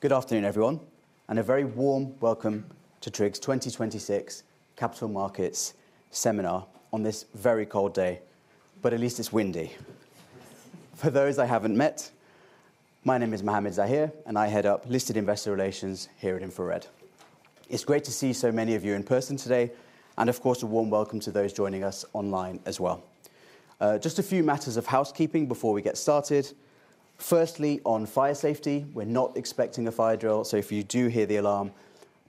Good afternoon, everyone, and a very warm welcome to TRIG's 2026 Capital Markets Seminar on this very cold day, but at least it's windy. For those I haven't met, my name is Mohammed Zaheer, and I head up Listed Investor Relations here at InfraRed. It's great to see so many of you in person today, and of course, a warm welcome to those joining us online as well. Just a few matters of housekeeping before we get started. Firstly, on fire safety, we're not expecting a fire drill, so if you do hear the alarm,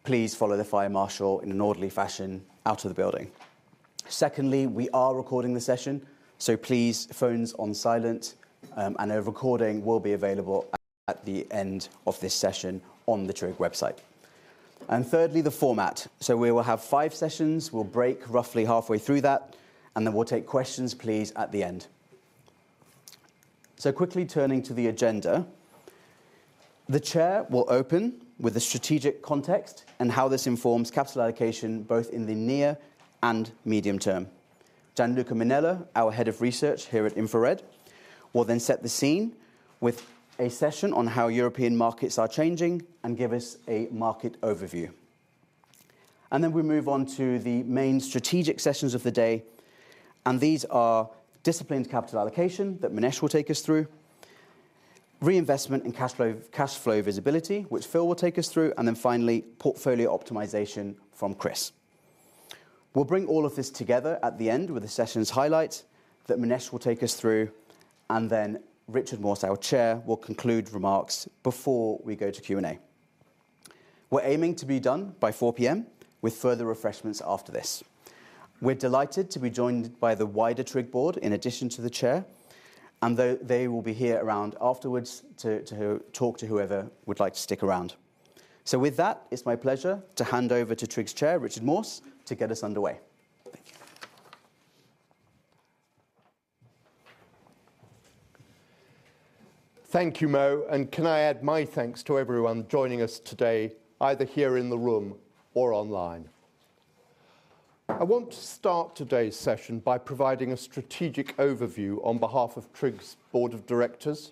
please follow the fire marshal in an orderly fashion out of the building. Secondly, we are recording the session, so please, phones on silent, and a recording will be available at the end of this session on the TRIG website. Thirdly, the format. We will have five sessions. We'll break roughly halfway through that, and then we'll take questions, please, at the end. Quickly turning to the agenda, the Chair will open with a strategic context and how this informs capital allocation both in the near and medium term. Gianluca Minella, our Head of Research here at InfraRed, will then set the scene with a session on how European markets are changing and give us a market overview. We move on to the main strategic sessions of the day, and these are disciplined capital allocation that Minesh will take us through, reinvestment and cash flow, cash flow visibility, which Phil will take us through, and then finally, portfolio optimization from Chris. We'll bring all of this together at the end with the session's highlights that Minesh will take us through, and then Richard Morse, our Chair, will conclude remarks before we go to Q&A. We're aiming to be done by 4:00 P.M. with further refreshments after this. We're delighted to be joined by the wider TRIG board in addition to the Chair, and they will be here around afterwards to talk to whoever would like to stick around. With that, it's my pleasure to hand over to TRIG's Chair, Richard Morse, to get us underway. Thank you. Thank you, Mo. Can I add my thanks to everyone joining us today, either here in the room or online. I want to start today's session by providing a strategic overview on behalf of TRIG's Board of Directors.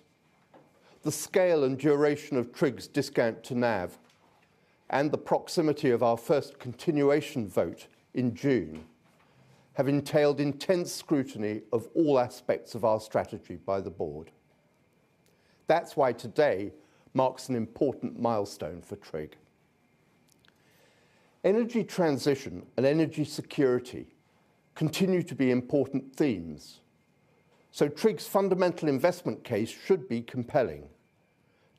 The scale and duration of TRIG's discount to NAV and the proximity of our first continuation vote in June have entailed intense scrutiny of all aspects of our strategy by the board. That's why today marks an important milestone for TRIG. Energy transition and energy security continue to be important themes. TRIG's fundamental investment case should be compelling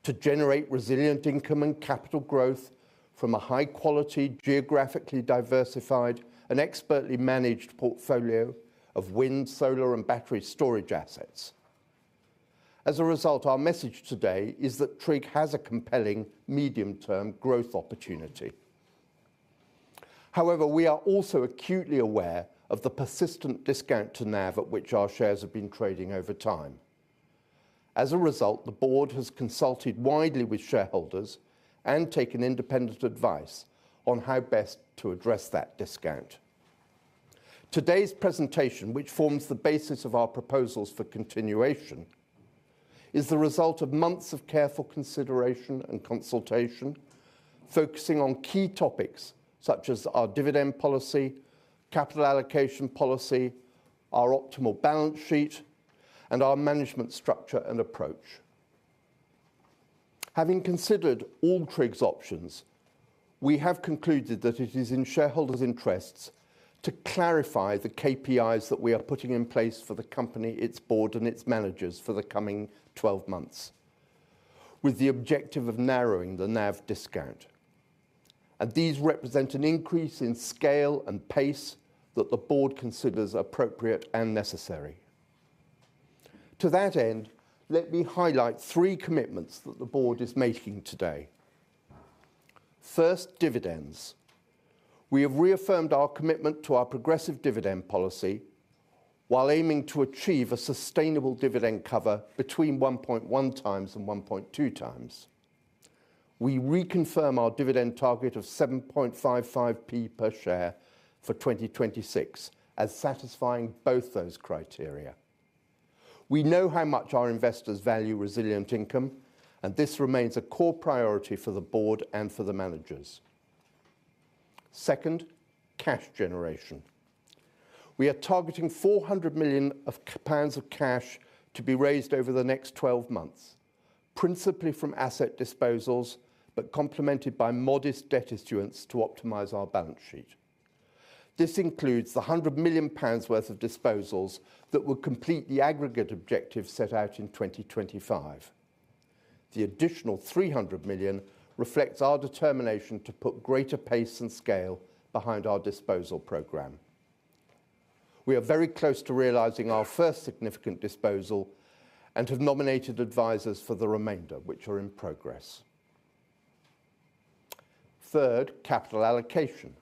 to generate resilient income and capital growth from a high quality, geographically diversified, and expertly managed portfolio of wind, solar, and battery storage assets. As a result, our message today is that TRIG has a compelling medium-term growth opportunity. However, we are also acutely aware of the persistent discount to NAV at which our shares have been trading over time. As a result, the board has consulted widely with shareholders and taken independent advice on how best to address that discount. Today's presentation, which forms the basis of our proposals for continuation, is the result of months of careful consideration and consultation, focusing on key topics such as our dividend policy, capital allocation policy, our optimal balance sheet, and our management structure and approach. Having considered all TRIG's options, we have concluded that it is in shareholders' interests to clarify the KPIs that we are putting in place for the company, its board, and its managers for the coming 12 months, with the objective of narrowing the NAV discount. These represent an increase in scale and pace that the board considers appropriate and necessary. To that end, let me highlight three commitments that the board is making today. First, dividends. We have reaffirmed our commitment to our progressive dividend policy while aiming to achieve a sustainable dividend cover between 1.1x and 1.2x. We reconfirm our dividend target of 0.0755 per share for 2026 as satisfying both those criteria. We know how much our investors value resilient income, and this remains a core priority for the board and for the managers. Second, cash generation. We are targeting 400 million pounds of cash to be raised over the next 12 months, principally from asset disposals, but complemented by modest debt issuance to optimize our balance sheet. This includes the 100 million pounds worth of disposals that will complete the aggregate objective set out in 2025. The additional 300 million reflects our determination to put greater pace and scale behind our disposal program. We are very close to realizing our first significant disposal and have nominated advisors for the remainder, which are in progress. Third, capital allocation.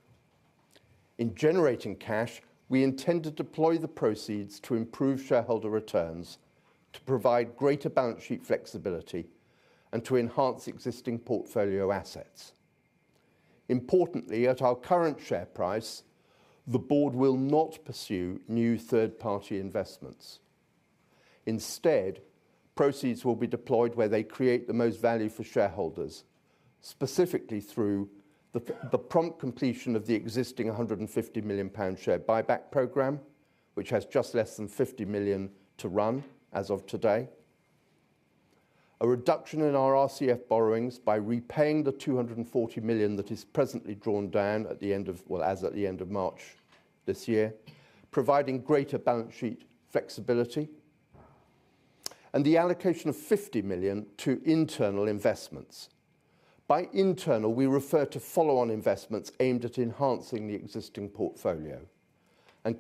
In generating cash, we intend to deploy the proceeds to improve shareholder returns, to provide greater balance sheet flexibility, and to enhance existing portfolio assets. Importantly, at our current share price, the board will not pursue new third-party investments. Instead, proceeds will be deployed where they create the most value for shareholders, specifically through the prompt completion of the existing 150 million pound share buyback program, which has just less than 50 million to run as of today. A reduction in our RCF borrowings by repaying the 240 million that is presently drawn down as at the end of March this year, providing greater balance sheet flexibility. The allocation of 50 million to internal investments. By internal, we refer to follow-on investments aimed at enhancing the existing portfolio.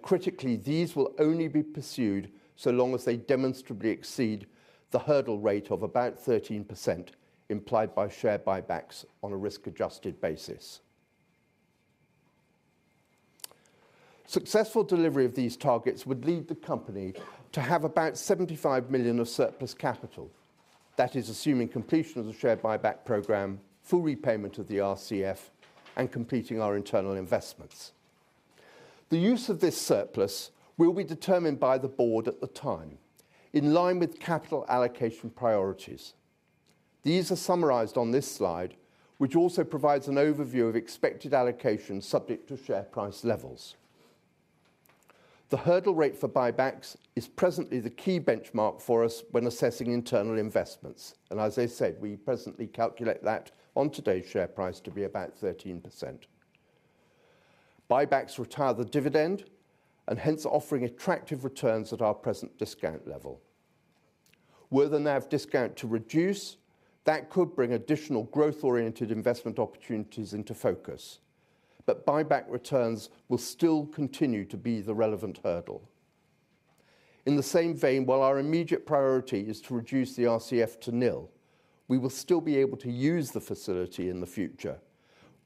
Critically, these will only be pursued so long as they demonstrably exceed the hurdle rate of about 13% implied by share buybacks on a risk-adjusted basis. Successful delivery of these targets would lead the company to have about 75 million of surplus capital. That is assuming completion of the share buyback program, full repayment of the RCF, and completing our internal investments. The use of this surplus will be determined by the board at the time in line with capital allocation priorities. These are summarized on this slide, which also provides an overview of expected allocations subject to share price levels. The hurdle rate for buybacks is presently the key benchmark for us when assessing internal investments. As I said, we presently calculate that on today's share price to be about 13%. Buybacks retire the dividend and hence offering attractive returns at our present discount level. Were the NAV discount to reduce, that could bring additional growth-oriented investment opportunities into focus. Buyback returns will still continue to be the relevant hurdle. In the same vein, while our immediate priority is to reduce the RCF to nil, we will still be able to use the facility in the future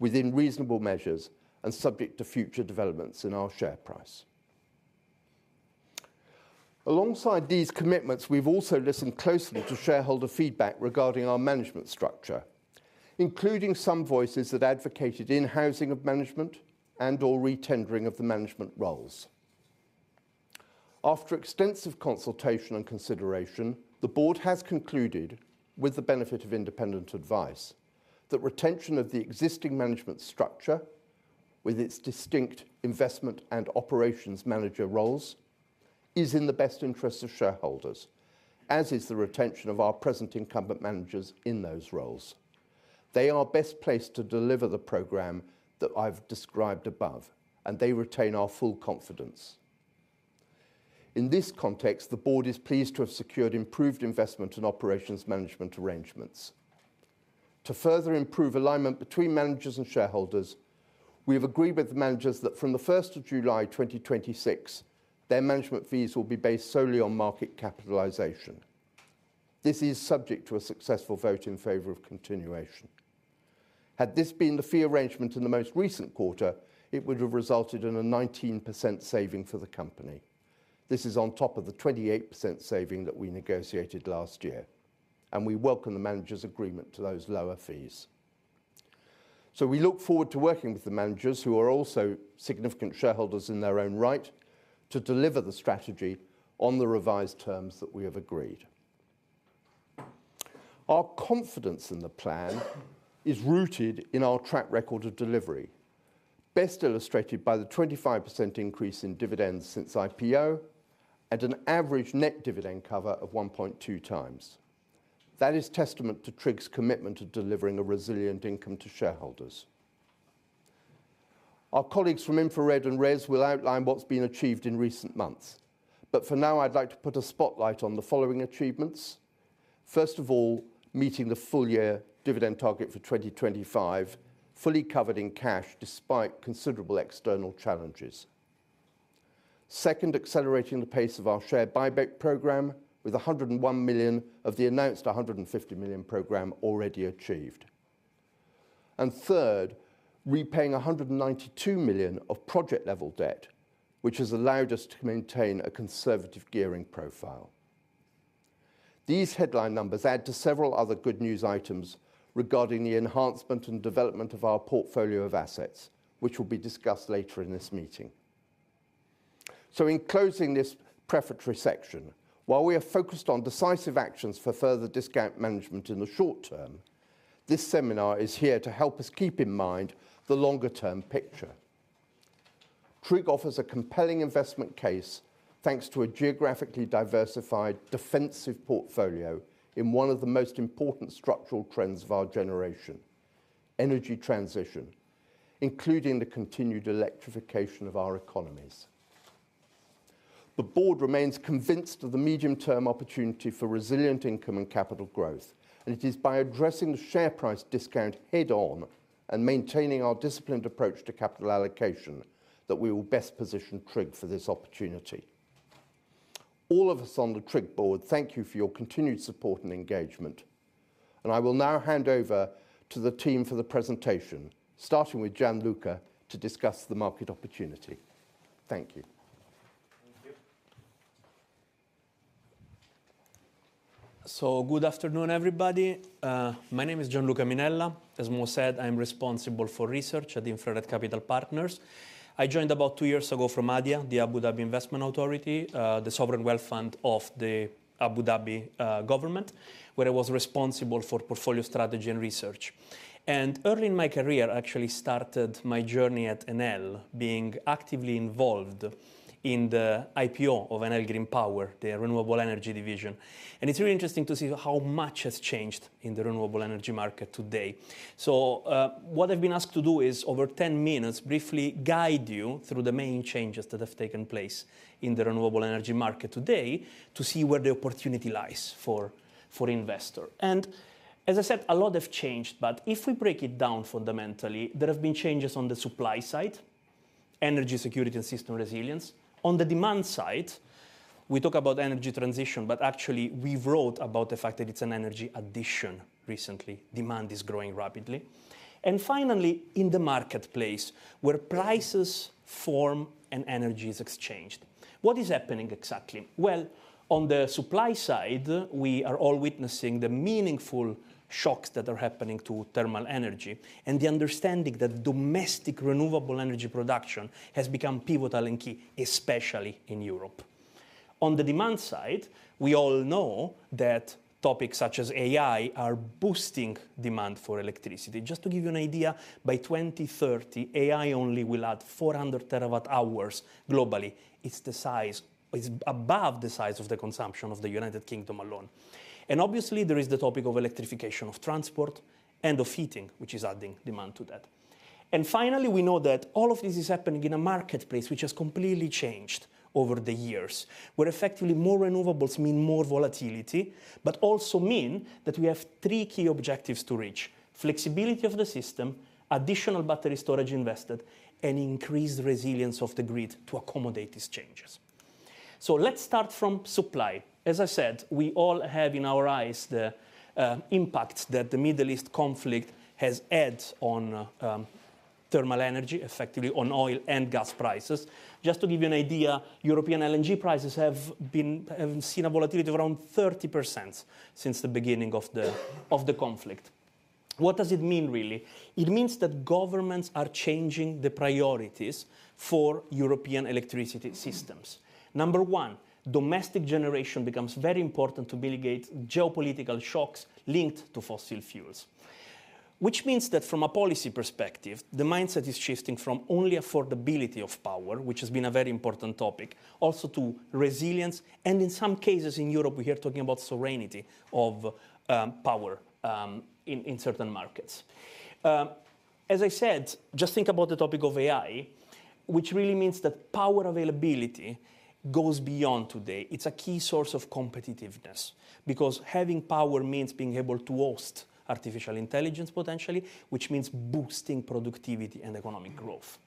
within reasonable measures and subject to future developments in our share price. Alongside these commitments, we have also listened closely to shareholder feedback regarding our management structure, including some voices that advocated in-housing of management and/or re-tendering of the management roles. After extensive consultation and consideration, the board has concluded, with the benefit of independent advice, that retention of the existing management structure with its distinct investment and operations manager roles is in the best interest of shareholders, as is the retention of our present incumbent managers in those roles. They are best placed to deliver the program that I have described above, and they retain our full confidence. In this context, the board is pleased to have secured improved investment and operations management arrangements. To further improve alignment between managers and shareholders, we have agreed with the managers that from the first of July 2026, their management fees will be based solely on market capitalization. This is subject to a successful vote in favor of continuation. Had this been the fee arrangement in the most recent quarter, it would have resulted in a 19% saving for the company. This is on top of the 28% saving that we negotiated last year, and we welcome the managers' agreement to those lower fees. We look forward to working with the managers who are also significant shareholders in their own right to deliver the strategy on the revised terms that we have agreed. Our confidence in the plan is rooted in our track record of delivery, best illustrated by the 25% increase in dividends since IPO at an average net dividend cover of 1.2x. That is testament to TRIG's commitment to delivering a resilient income to shareholders. Our colleagues from InfraRed and RES will outline what's been achieved in recent months. For now, I'd like to put a spotlight on the following achievements. First of all, meeting the full-year dividend target for 2025, fully covered in cash despite considerable external challenges. Second, accelerating the pace of our share buyback program with 101 million of the announced 150 million program already achieved. Third, repaying 192 million of project-level debt, which has allowed us to maintain a conservative gearing profile. These headline numbers add to several other good news items regarding the enhancement and development of our portfolio of assets, which will be discussed later in this meeting. In closing this prefatory section, while we are focused on decisive actions for further discount management in the short term, this seminar is here to help us keep in mind the longer-term picture. TRIG offers a compelling investment case, thanks to a geographically diversified defensive portfolio in one of the most important structural trends of our generation: energy transition, including the continued electrification of our economies. The board remains convinced of the medium-term opportunity for resilient income and capital growth. It is by addressing the share price discount head-on and maintaining our disciplined approach to capital allocation that we will best position TRIG for this opportunity. All of us on the TRIG board thank you for your continued support and engagement. I will now hand over to the team for the presentation, starting with Gianluca to discuss the market opportunity. Thank you. Good afternoon, everybody. My name is Gianluca Minella. As Mo said, I'm responsible for research at the InfraRed Capital Partners. I joined about two years ago from ADIA, the Abu Dhabi Investment Authority, the sovereign wealth fund of the Abu Dhabi government, where I was responsible for portfolio strategy and research. Early in my career, I actually started my journey at Enel, being actively involved in the IPO of Enel Green Power, their renewable energy division. It's really interesting to see how much has changed in the renewable energy market today. What I've been asked to do is, over 10 minutes, briefly guide you through the main changes that have taken place in the renewable energy market today to see where the opportunity lies for investor. As I said, a lot have changed, but if we break it down fundamentally, there have been changes on the supply side, energy security and system resilience. On the demand side, we talk about energy transition, but actually we've wrote about the fact that it's an energy addition recently. Demand is growing rapidly. Finally, in the marketplace where prices form and energy is exchanged. What is happening exactly? Well, on the supply side, we are all witnessing the meaningful shocks that are happening to thermal energy and the understanding that domestic renewable energy production has become pivotal and key, especially in Europe. On the demand side, we all know that topics such as AI are boosting demand for electricity. Just to give you an idea, by 2030, AI only will add 400 TWh globally. It's above the size of the consumption of the United Kingdom alone. Obviously, there is the topic of electrification of transport and of heating, which is adding demand to that. Finally, we know that all of this is happening in a marketplace which has completely changed over the years, where effectively more renewables mean more volatility, but also mean that we have three key objectives to reach: flexibility of the system, additional battery storage invested, and increased resilience of the grid to accommodate these changes. Let's start from supply. As I said, we all have in our eyes the impact that the Middle East conflict has had on thermal energy, effectively on oil and gas prices. Just to give you an idea, European LNG prices have seen a volatility of around 30% since the beginning of the conflict. What does it mean really? It means that governments are changing the priorities for European electricity systems. Number one, domestic generation becomes very important to mitigate geopolitical shocks linked to fossil fuels. It means that from a policy perspective, the mindset is shifting from only affordability of power, which has been a very important topic, also to resilience, and in some cases in Europe, we are talking about sovereignty of power in certain markets. As I said, just think about the topic of AI, which really means that power availability goes beyond today. It's a key source of competitiveness because having power means being able to host artificial intelligence potentially, which means boosting productivity and economic growth.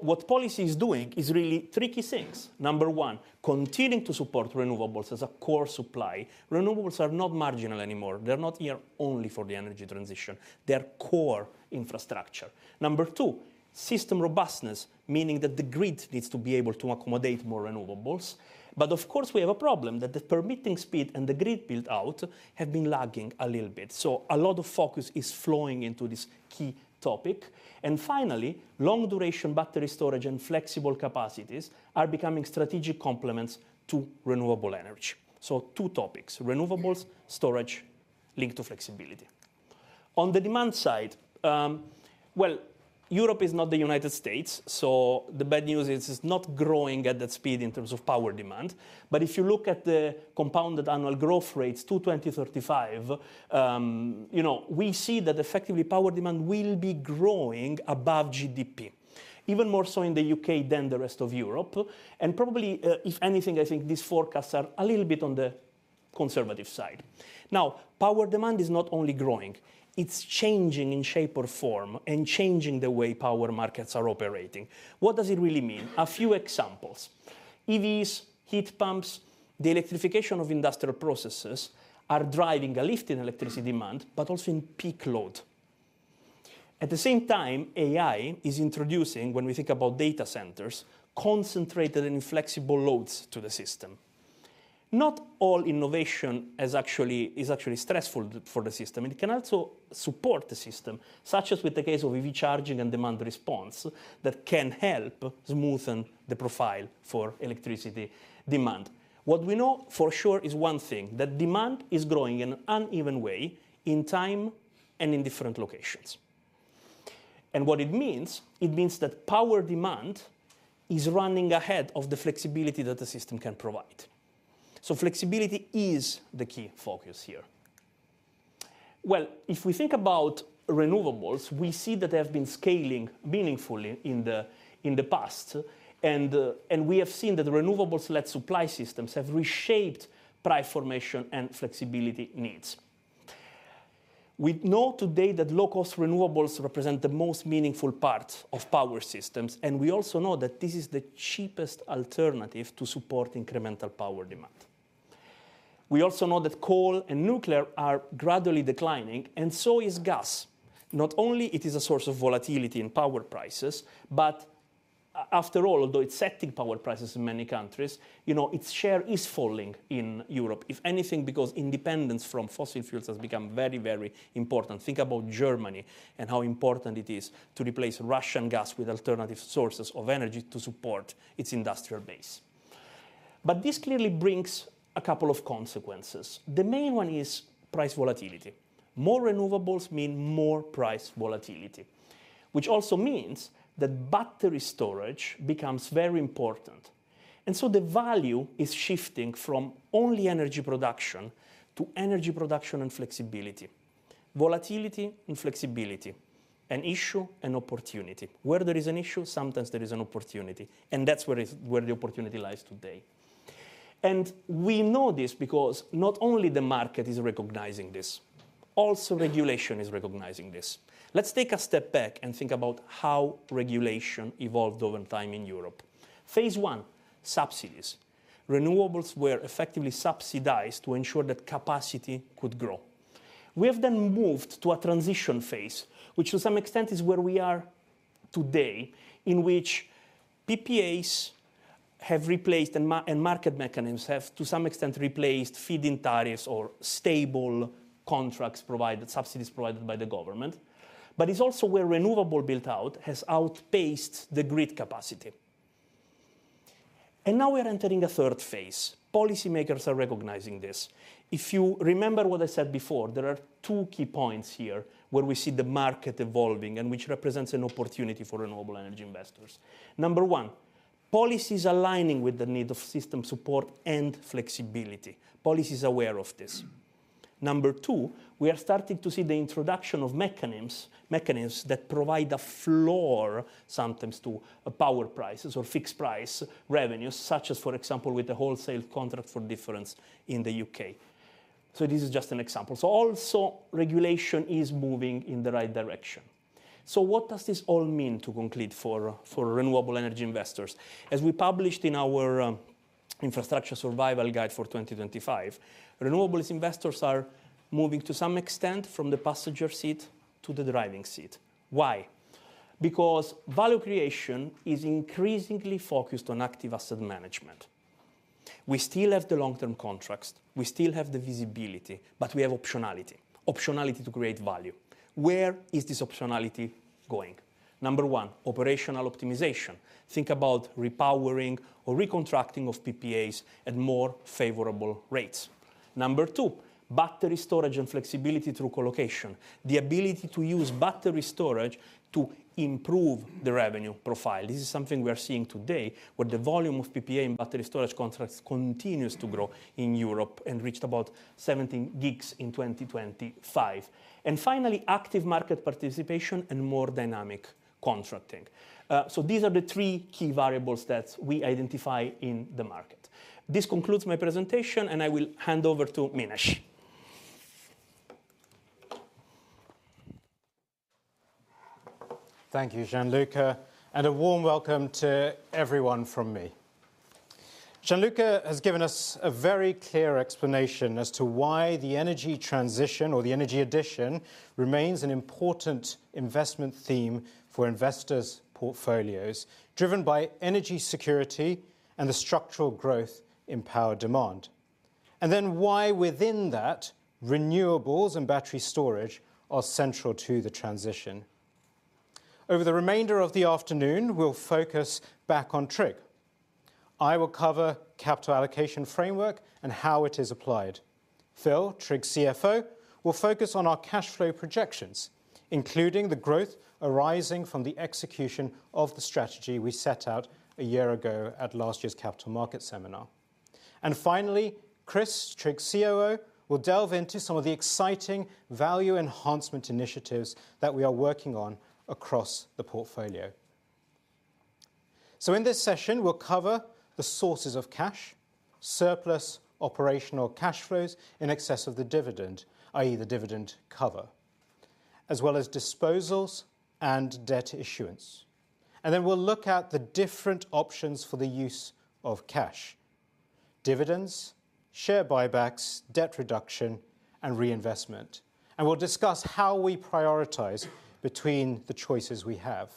What policy is doing is really three key things. Number one, continuing to support renewables as a core supply. Renewables are not marginal anymore. They're not here only for the energy transition. They're core infrastructure. Number two, system robustness, meaning that the grid needs to be able to accommodate more renewables. Of course, we have a problem that the permitting speed and the grid build-out have been lagging a little bit. A lot of focus is flowing into this key topic. Finally, long-duration battery storage and flexible capacities are becoming strategic complements to renewable energy. Two topics, renewables, storage linked to flexibility. On the demand side, well, Europe is not the U.S., the bad news is it's not growing at that speed in terms of power demand. If you look at the compounded annual growth rates to 2035, you know, we see that effectively power demand will be growing above GDP, even more so in the U.K. than the rest of Europe. Probably, if anything, I think these forecasts are a little bit on the conservative side. Power demand is not only growing, it's changing in shape or form and changing the way power markets are operating. What does it really mean? A few examples. EVs, heat pumps, the electrification of industrial processes are driving a lift in electricity demand, but also in peak load. At the same time, AI is introducing, when we think about data centers, concentrated and flexible loads to the system. Not all innovation is actually stressful for the system. It can also support the system, such as with the case of EV charging and demand response that can help smoothen the profile for electricity demand. What we know for sure is one thing, that demand is growing in an uneven way in time and in different locations. What it means, it means that power demand is running ahead of the flexibility that the system can provide. Flexibility is the key focus here. Well, if we think about renewables, we see that they have been scaling meaningfully in the past, and we have seen that renewables-led supply systems have reshaped price formation and flexibility needs. We know today that low-cost renewables represent the most meaningful part of power systems, and we also know that this is the cheapest alternative to support incremental power demand. We also know that coal and nuclear are gradually declining, and so is gas. Not only it is a source of volatility in power prices, but after all, although it's setting power prices in many countries, you know, its share is falling in Europe, if anything, because independence from fossil fuels has become very, very important. Think about Germany and how important it is to replace Russian gas with alternative sources of energy to support its industrial base. This clearly brings a couple of consequences. The main one is price volatility. More renewables mean more price volatility, which also means that battery storage becomes very important. The value is shifting from only energy production to energy production and flexibility. Volatility and flexibility, an issue and opportunity. Where there is an issue, sometimes there is an opportunity, and that's where the opportunity lies today. We know this because not only the market is recognizing this, also regulation is recognizing this. Let's take a step back and think about how regulation evolved over time in Europe. Phase one, subsidies. Renewables were effectively subsidized to ensure that capacity could grow. We have then moved to a transition phase, which to some extent is where we are today, in which PPAs have replaced and market mechanisms have to some extent replaced feed-in tariffs or stable contracts provided, subsidies provided by the government. It's also where renewable build-out has outpaced the grid capacity. Now we are entering a third phase. Policy makers are recognizing this. If you remember what I said before, there are two key points here where we see the market evolving and which represents an opportunity for renewable energy investors. Number one, policies aligning with the need of system support and flexibility. Policy's aware of this. Number two, we are starting to see the introduction of mechanisms that provide a floor sometimes to power prices or fixed price revenues, such as, for example, with the Wholesale Contracts for Difference in the U.K.. This is just an example. Also regulation is moving in the right direction. What does this all mean, to conclude, for renewable energy investors? As we published in our infrastructure survival guide for 2025, renewables investors are moving to some extent from the passenger seat to the driving seat. Why? Because value creation is increasingly focused on active asset management. We still have the long-term contracts, we still have the visibility, but we have optionality to create value. Where is this optionality going? Number one, operational optimization. Think about repowering or recontracting of PPAs at more favorable rates. Number two, battery storage and flexibility through co-location. The ability to use battery storage to improve the revenue profile. This is something we are seeing today, where the volume of PPA and battery storage contracts continues to grow in Europe and reached about 17 GW in 2025. Finally, active market participation and more dynamic contracting. These are the three key variables that we identify in the market. This concludes my presentation, and I will hand over to Minesh. Thank you, Gianluca. A warm welcome to everyone from me. Gianluca has given us a very clear explanation as to why the energy transition or the energy addition remains an important investment theme for investors' portfolios, driven by energy security and the structural growth in power demand. Why within that renewables and battery storage are central to the transition. Over the remainder of the afternoon, we'll focus back on TRIG. I will cover capital allocation framework and how it is applied. Phil, TRIG's CFO, will focus on our cash flow projections, including the growth arising from the execution of the strategy we set out a year ago at last year's Capital Market Seminar. Finally, Chris, TRIG's COO, will delve into some of the exciting value enhancement initiatives that we are working on across the portfolio. In this session, we'll cover the sources of cash, surplus operational cash flows in excess of the dividend, i.e., the dividend cover, as well as disposals and debt issuance. We'll look at the different options for the use of cash, dividends, share buybacks, debt reduction, and reinvestment. We'll discuss how we prioritize between the choices we have.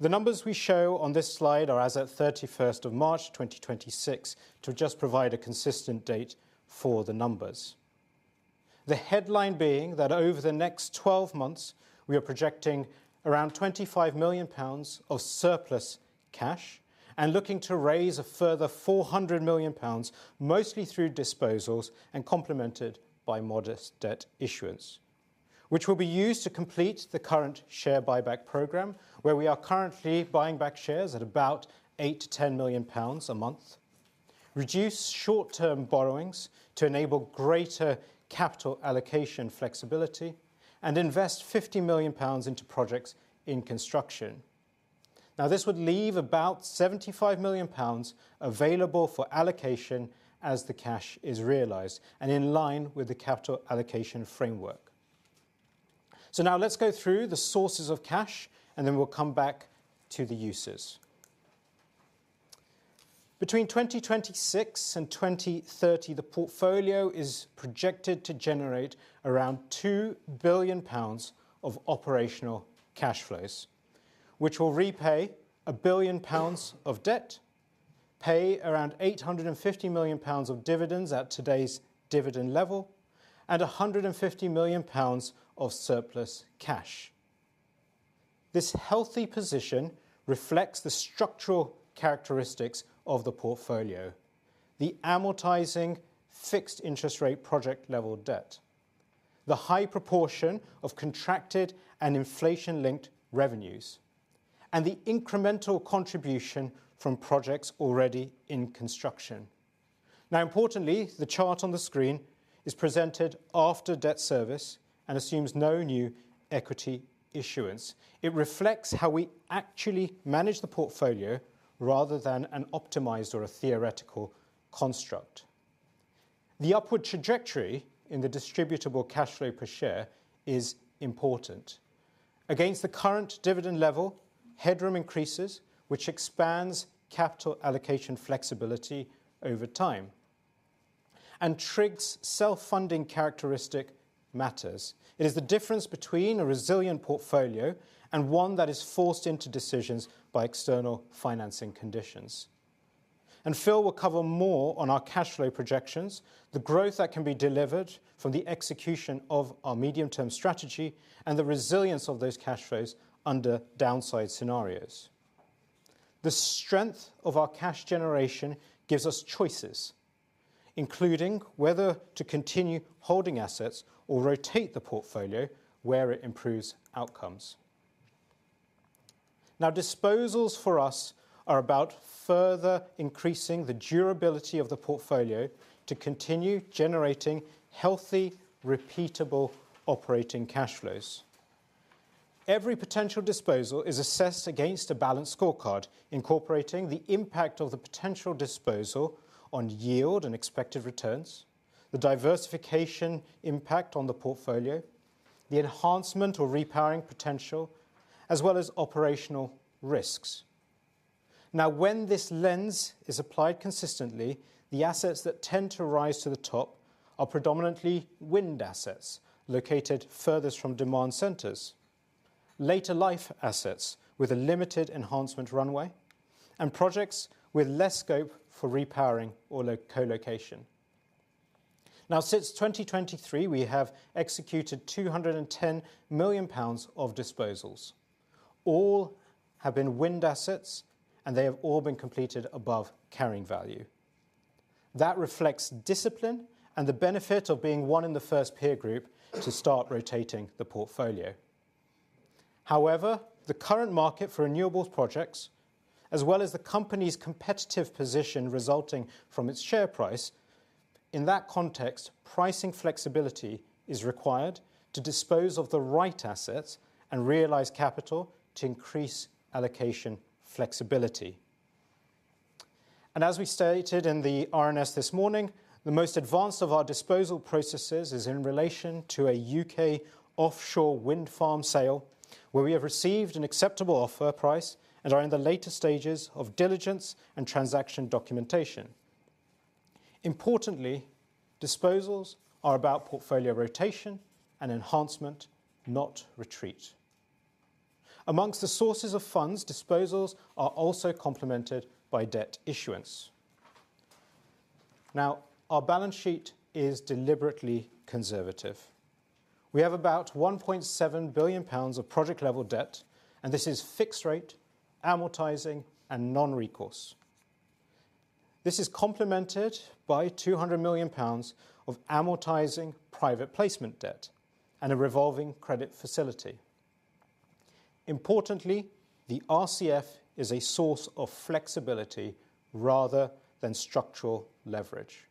The numbers we show on this slide are as at 31st of March 2026 to just provide a consistent date for the numbers. The headline being that over the next 12 months, we are projecting around 25 million pounds of surplus cash and looking to raise a further 400 million pounds, mostly through disposals and complemented by modest debt issuance, which will be used to complete the current share buyback program, where we are currently buying back shares at about 8 million-10 million pounds a month, reduce short-term borrowings to enable greater capital allocation flexibility, and invest 50 million pounds into projects in construction. Now, this would leave about 75 million pounds available for allocation as the cash is realized and in line with the capital allocation framework. Now let's go through the sources of cash, and then we'll come back to the uses. Between 2026 and 2030, the portfolio is projected to generate around 2 billion pounds of operational cash flows, which will repay 1 billion pounds of debt, pay around 850 million pounds of dividends at today's dividend level, and 150 million pounds of surplus cash. This healthy position reflects the structural characteristics of the portfolio, the amortizing fixed interest rate project level debt, the high proportion of contracted and inflation-linked revenues, and the incremental contribution from projects already in construction. Importantly, the chart on the screen is presented after debt service and assumes no new equity issuance. It reflects how we actually manage the portfolio rather than an optimized or a theoretical construct. The upward trajectory in the distributable cash flow per share is important. Against the current dividend level, headroom increases, which expands capital allocation flexibility over time. TRIG's self-funding characteristic matters. It is the difference between a resilient portfolio and one that is forced into decisions by external financing conditions. Phil will cover more on our cash flow projections, the growth that can be delivered from the execution of our medium-term strategy, and the resilience of those cash flows under downside scenarios. The strength of our cash generation gives us choices, including whether to continue holding assets or rotate the portfolio where it improves outcomes. Disposals for us are about further increasing the durability of the portfolio to continue generating healthy, repeatable operating cash flows. Every potential disposal is assessed against a balanced scorecard incorporating the impact of the potential disposal on yield and expected returns, the diversification impact on the portfolio, the enhancement or repowering potential, as well as operational risks. Now, when this lens is applied consistently, the assets that tend to rise to the top are predominantly wind assets located furthest from demand centers, later life assets with a limited enhancement runway, and projects with less scope for repowering or co-location. Now, since 2023, we have executed 210 million pounds of disposals. All have been wind assets, and they have all been completed above carrying value. That reflects discipline and the benefit of being one in the first peer group to start rotating the portfolio. However, the current market for renewables projects, as well as the company's competitive position resulting from its share price, in that context, pricing flexibility is required to dispose of the right assets and realize capital to increase allocation flexibility. As we stated in the RNS this morning, the most advanced of our disposal processes is in relation to a U.K. offshore wind farm sale where we have received an acceptable offer price and are in the later stages of diligence and transaction documentation. Importantly, disposals are about portfolio rotation and enhancement, not retreat. Amongst the sources of funds, disposals are also complemented by debt issuance. Now, our balance sheet is deliberately conservative. We have about 1.7 billion pounds of project-level debt, and this is fixed rate, amortizing, and non-recourse. This is complemented by 200 million pounds of amortizing private placement debt and a revolving credit facility. Importantly, the RCF is a source of flexibility rather than structural leverage.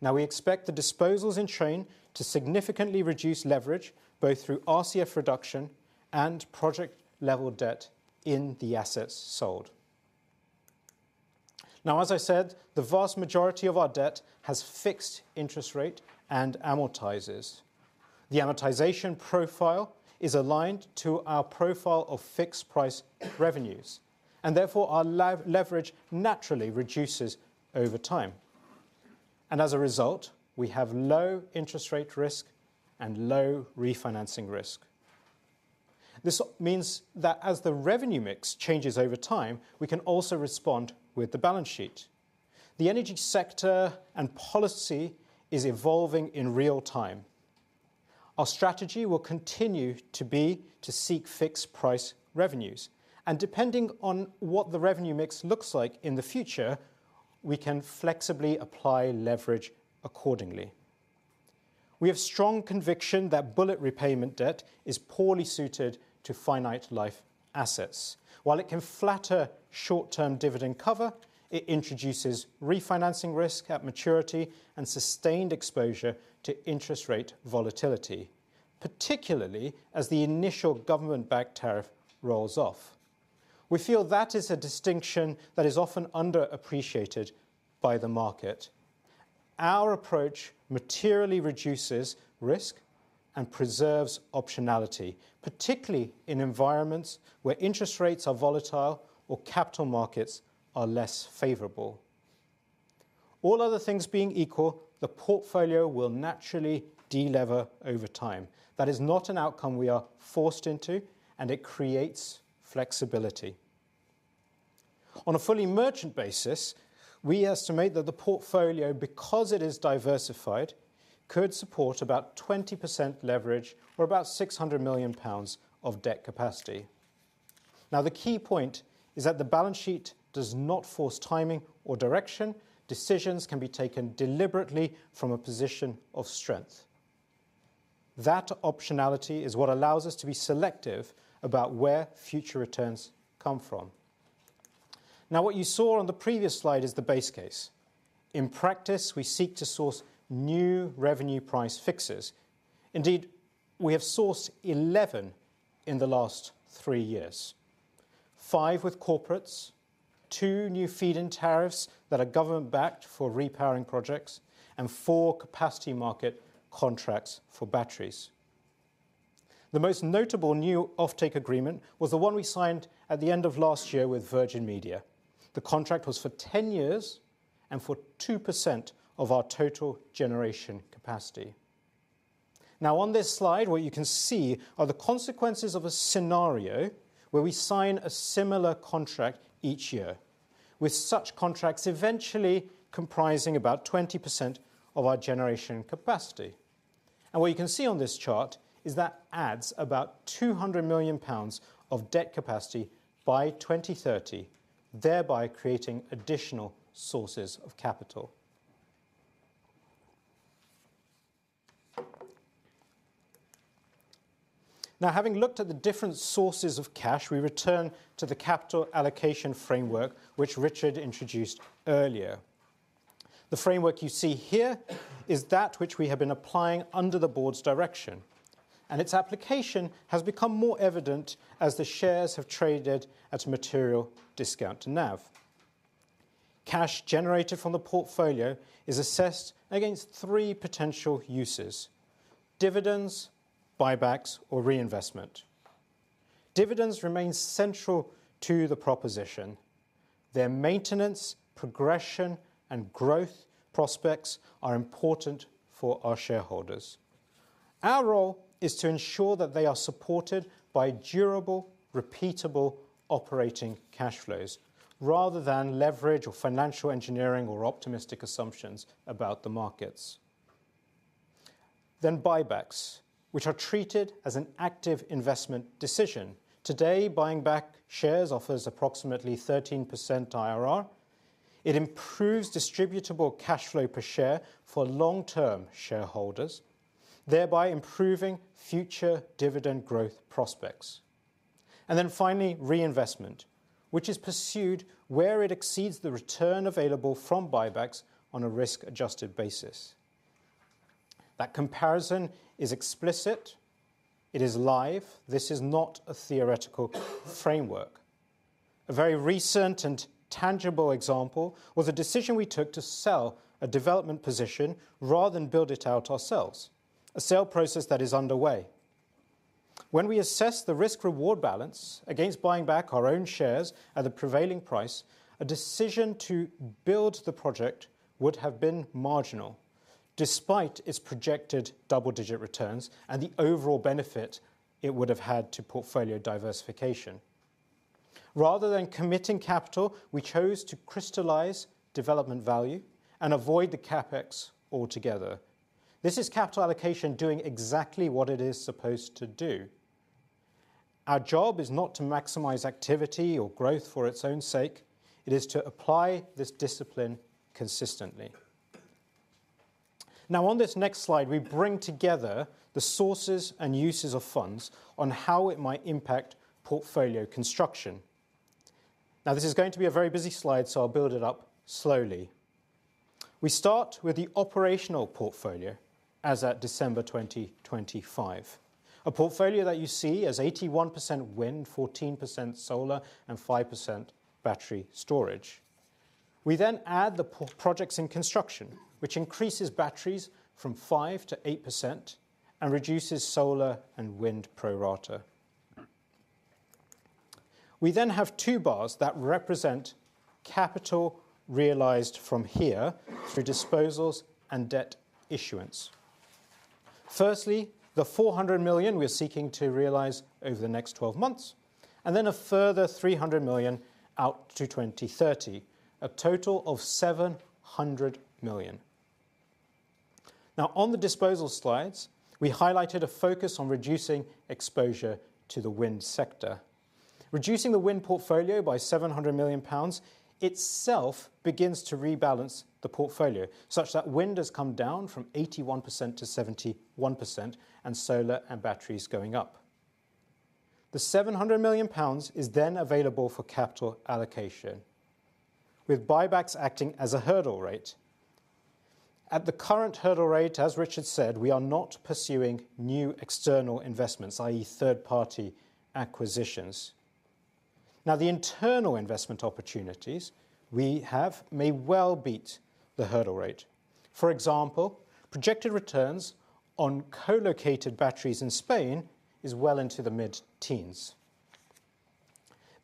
We expect the disposals in train to significantly reduce leverage, both through RCF reduction and project-level debt in the assets sold. As I said, the vast majority of our debt has fixed interest rate and amortizes. The amortization profile is aligned to our profile of fixed price revenues, therefore, our leverage naturally reduces over time. As a result, we have low interest rate risk and low refinancing risk. This means that as the revenue mix changes over time, we can also respond with the balance sheet. The energy sector and policy is evolving in real time. Our strategy will continue to be to seek fixed price revenues. Depending on what the revenue mix looks like in the future, we can flexibly apply leverage accordingly. We have strong conviction that bullet repayment debt is poorly suited to finite life assets. While it can flatter short-term dividend cover, it introduces refinancing risk at maturity and sustained exposure to interest rate volatility, particularly as the initial government-backed tariff rolls off. We feel that is a distinction that is often underappreciated by the market. Our approach materially reduces risk and preserves optionality, particularly in environments where interest rates are volatile or capital markets are less favorable. All other things being equal, the portfolio will naturally de-lever over time. That is not an outcome we are forced into, and it creates flexibility. On a fully merchant basis, we estimate that the portfolio, because it is diversified, could support about 20% leverage or about 600 million pounds of debt capacity. The key point is that the balance sheet does not force timing or direction. Decisions can be taken deliberately from a position of strength. That optionality is what allows us to be selective about where future returns come from. What you saw on the previous slide is the base case. In practice, we seek to source new revenue price fixes. Indeed, we have sourced 11 in the last three years. Five with corporates, two new feed-in tariffs that are government backed for repowering projects, and four capacity market contracts for batteries. The most notable new offtake agreement was the one we signed at the end of last year with Virgin Media. The contract was for 10 years and for 2% of our total generation capacity. On this slide, what you can see are the consequences of a scenario where we sign a similar contract each year, with such contracts eventually comprising about 20% of our generation capacity. What you can see on this chart is that adds about 200 million pounds of debt capacity by 2030, thereby creating additional sources of capital. Having looked at the different sources of cash, we return to the capital allocation framework which Richard introduced earlier. The framework you see here is that which we have been applying under the board's direction, and its application has become more evident as the shares have traded at a material discount to NAV. Cash generated from the portfolio is assessed against three potential uses. Dividends, buybacks or reinvestment. Dividends remain central to the proposition. Their maintenance, progression, and growth prospects are important for our shareholders. Our role is to ensure that they are supported by durable, repeatable operating cash flows rather than leverage or financial engineering or optimistic assumptions about the markets. Buybacks, which are treated as an active investment decision. Today, buying back shares offers approximately 13% IRR. It improves distributable cash flow per share for long-term shareholders, thereby improving future dividend growth prospects. Finally, reinvestment, which is pursued where it exceeds the return available from buybacks on a risk-adjusted basis. That comparison is explicit, it is live. This is not a theoretical framework. A very recent and tangible example was a decision we took to sell a development position rather than build it out ourselves, a sale process that is underway. When we assess the risk-reward balance against buying back our own shares at the prevailing price, a decision to build the project would have been marginal despite its projected double-digit returns and the overall benefit it would have had to portfolio diversification. Rather than committing capital, we chose to crystallize development value and avoid the CapEx altogether. This is capital allocation doing exactly what it is supposed to do. Our job is not to maximize activity or growth for its own sake. It is to apply this discipline consistently. On this next slide, we bring together the sources and uses of funds on how it might impact portfolio construction. This is going to be a very busy slide, so I'll build it up slowly. We start with the operational portfolio as at December 2025, a portfolio that you see as 81% wind, 14% solar and 5% battery storage. We then add the PPA projects in construction, which increases batteries from 5% to 8% and reduces solar and wind pro rata. We have two bars that represent capital realized from here through disposals and debt issuance. Firstly, the 400 million we're seeking to realize over the next 12 months, and a further 300 million out to 2030. A total of 700 million. On the disposal slides, we highlighted a focus on reducing exposure to the wind sector. Reducing the wind portfolio by 700 million pounds itself begins to rebalance the portfolio such that wind has come down from 81% to 71% and solar and batteries going up. The 700 million pounds is available for capital allocation, with buybacks acting as a hurdle rate. At the current hurdle rate, as Richard said, we are not pursuing new external investments, i.e. third party acquisitions. The internal investment opportunities we have may well beat the hurdle rate. For example, projected returns on co-located batteries in Spain is well into the mid-teens.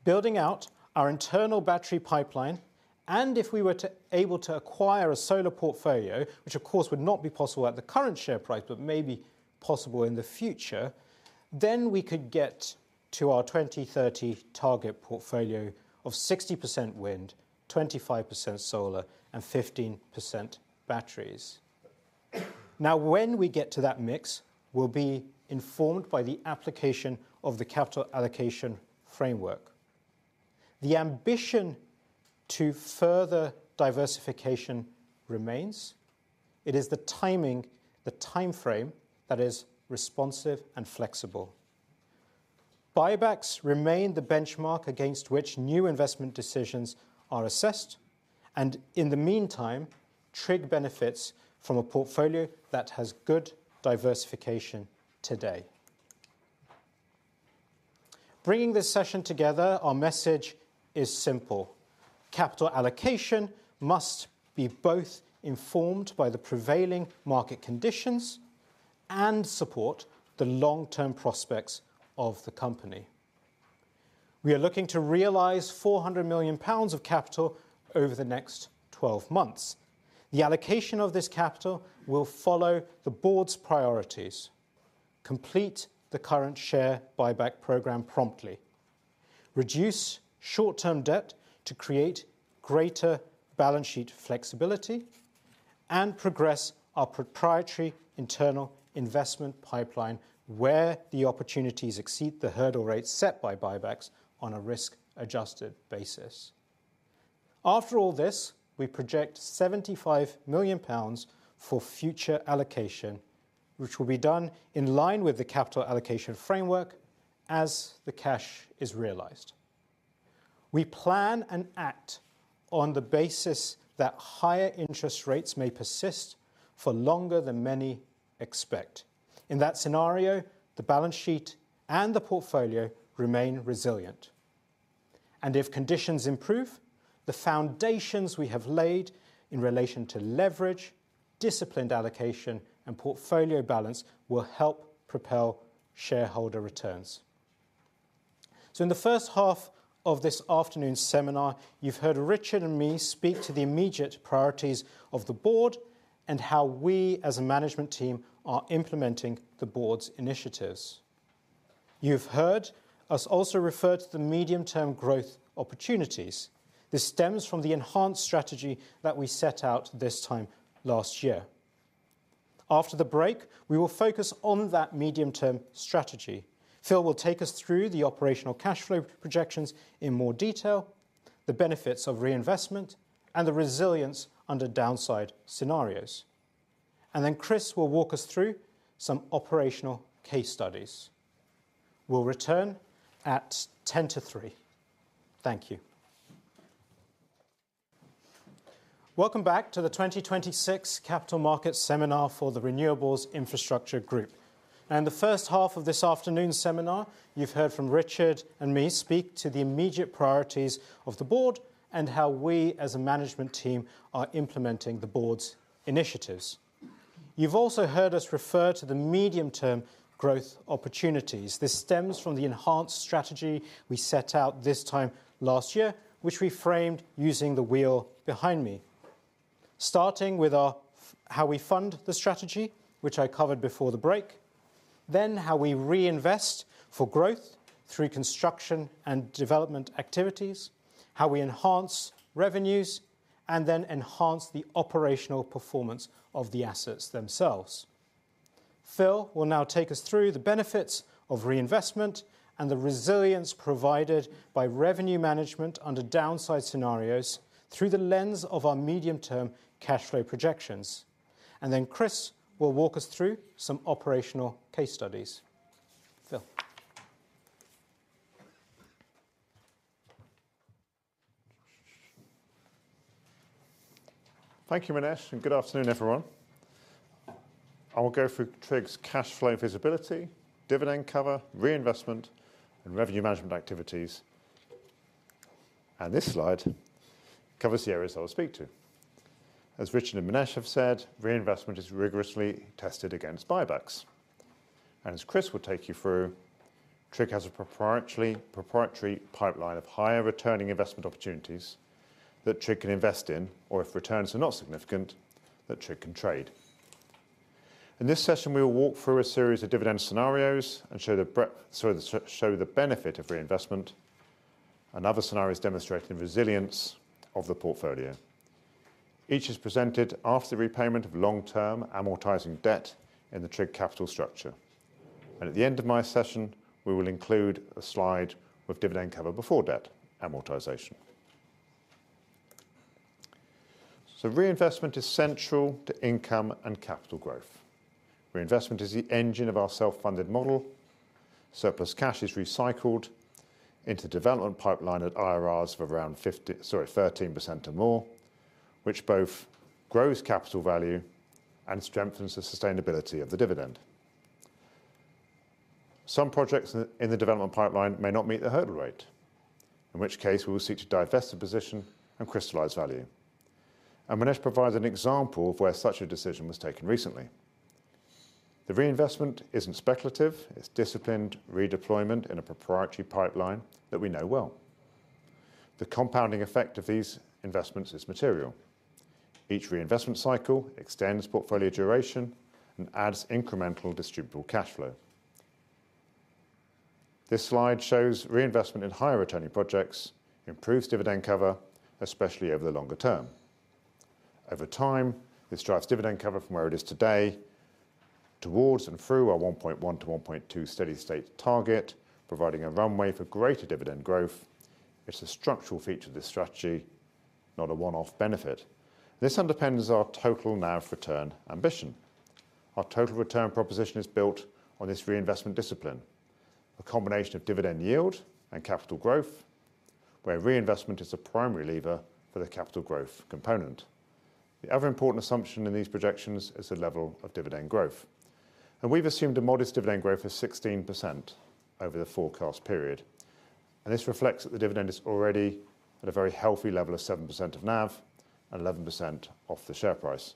Building out our internal battery pipeline, and if we were to able to acquire a solar portfolio, which of course would not be possible at the current share price, but may be possible in the future, then we could get to our 2030 target portfolio of 60% wind, 25% solar, and 15% batteries. When we get to that mix will be informed by the application of the capital allocation framework. The ambition to further diversification remains. It is the timing, the timeframe that is responsive and flexible. Buybacks remain the benchmark against which new investment decisions are assessed and, in the meantime, TRIG benefits from a portfolio that has good diversification today. Bringing this session together, our message is simple: capital allocation must be both informed by the prevailing market conditions and support the long-term prospects of the company. We are looking to realize 400 million pounds of capital over the next 12 months. The allocation of this capital will follow the board's priorities, complete the current share buyback program promptly, reduce short-term debt to create greater balance sheet flexibility, and progress our proprietary internal investment pipeline where the opportunities exceed the hurdle rates set by buybacks on a risk-adjusted basis. After all this, we project 75 million pounds for future allocation, which will be done in line with the capital allocation framework as the cash is realized. We plan and act on the basis that higher interest rates may persist for longer than many expect. In that scenario, the balance sheet and the portfolio remain resilient. If conditions improve, the foundations we have laid in relation to leverage, disciplined allocation, and portfolio balance will help propel shareholder returns. In the first half of this afternoon's seminar, you've heard Richard and me speak to the immediate priorities of the board and how we as a management team are implementing the board's initiatives. You've heard us also refer to the medium-term growth opportunities. This stems from the enhanced strategy that we set out this time last year. After the break, we will focus on that medium-term strategy. Phil will take us through the operational cash flow projections in more detail, the benefits of reinvestment, and the resilience under downside scenarios. Then Chris will walk us through some operational case studies. We'll return at 10 to three. Thank you. Welcome back to the 2026 Capital Markets Seminar for The Renewables Infrastructure Group. In the first half of this afternoon's seminar, you've heard from Richard and me speak to the immediate priorities of the board and how we as a management team are implementing the board's initiatives. You've also heard us refer to the medium-term growth opportunities. This stems from the enhanced strategy we set out this time last year, which we framed using the wheel behind me. Starting with our how we fund the strategy, which I covered before the break, then how we reinvest for growth through construction and development activities, how we enhance revenues, and then enhance the operational performance of the assets themselves. Phil will now take us through the benefits of reinvestment and the resilience provided by revenue management under downside scenarios through the lens of our medium-term cash flow projections. Then Chris will walk us through some operational case studies. Phil? Thank you, Minesh, and good afternoon, everyone. I will go through TRIG’s cash flow visibility, dividend cover, reinvestment, and revenue management activities. This slide covers the areas I will speak to. As Richard and Minesh have said, reinvestment is rigorously tested against buybacks. As Chris will take you through, TRIG has a proprietary pipeline of higher returning investment opportunities that TRIG can invest in, or if returns are not significant, that TRIG can trade. In this session, we will walk through a series of dividend scenarios and show the benefit of reinvestment and other scenarios demonstrating resilience of the portfolio. Each is presented after the repayment of long-term amortizing debt in the TRIG capital structure. At the end of my session, we will include a slide with dividend cover before debt amortization. Reinvestment is central to income and capital growth. Reinvestment is the engine of our self-funded model. Surplus cash is recycled into development pipeline at IRRs of around 13% or more, which both grows capital value and strengthens the sustainability of the dividend. Some projects in the development pipeline may not meet the hurdle rate, in which case we will seek to divest the position and crystallize value. Minesh provides an example of where such a decision was taken recently. The reinvestment isn't speculative. It's disciplined redeployment in a proprietary pipeline that we know well. The compounding effect of these investments is material. Each reinvestment cycle extends portfolio duration and adds incremental distributable cash flow. This slide shows reinvestment in higher returning projects improves dividend cover, especially over the longer term. Over time, this drives dividend cover from where it is today towards and through our 1.1-1.2x steady-state target, providing a runway for greater dividend growth. It's a structural feature of this strategy, not a one-off benefit. This underpins our total NAV return ambition. Our total return proposition is built on this reinvestment discipline, a combination of dividend yield and capital growth, where reinvestment is the primary lever for the capital growth component. The other important assumption in these projections is the level of dividend growth. We've assumed a modest dividend growth of 16% over the forecast period. This reflects that the dividend is already at a very healthy level of 7% of NAV and 11% of the share price.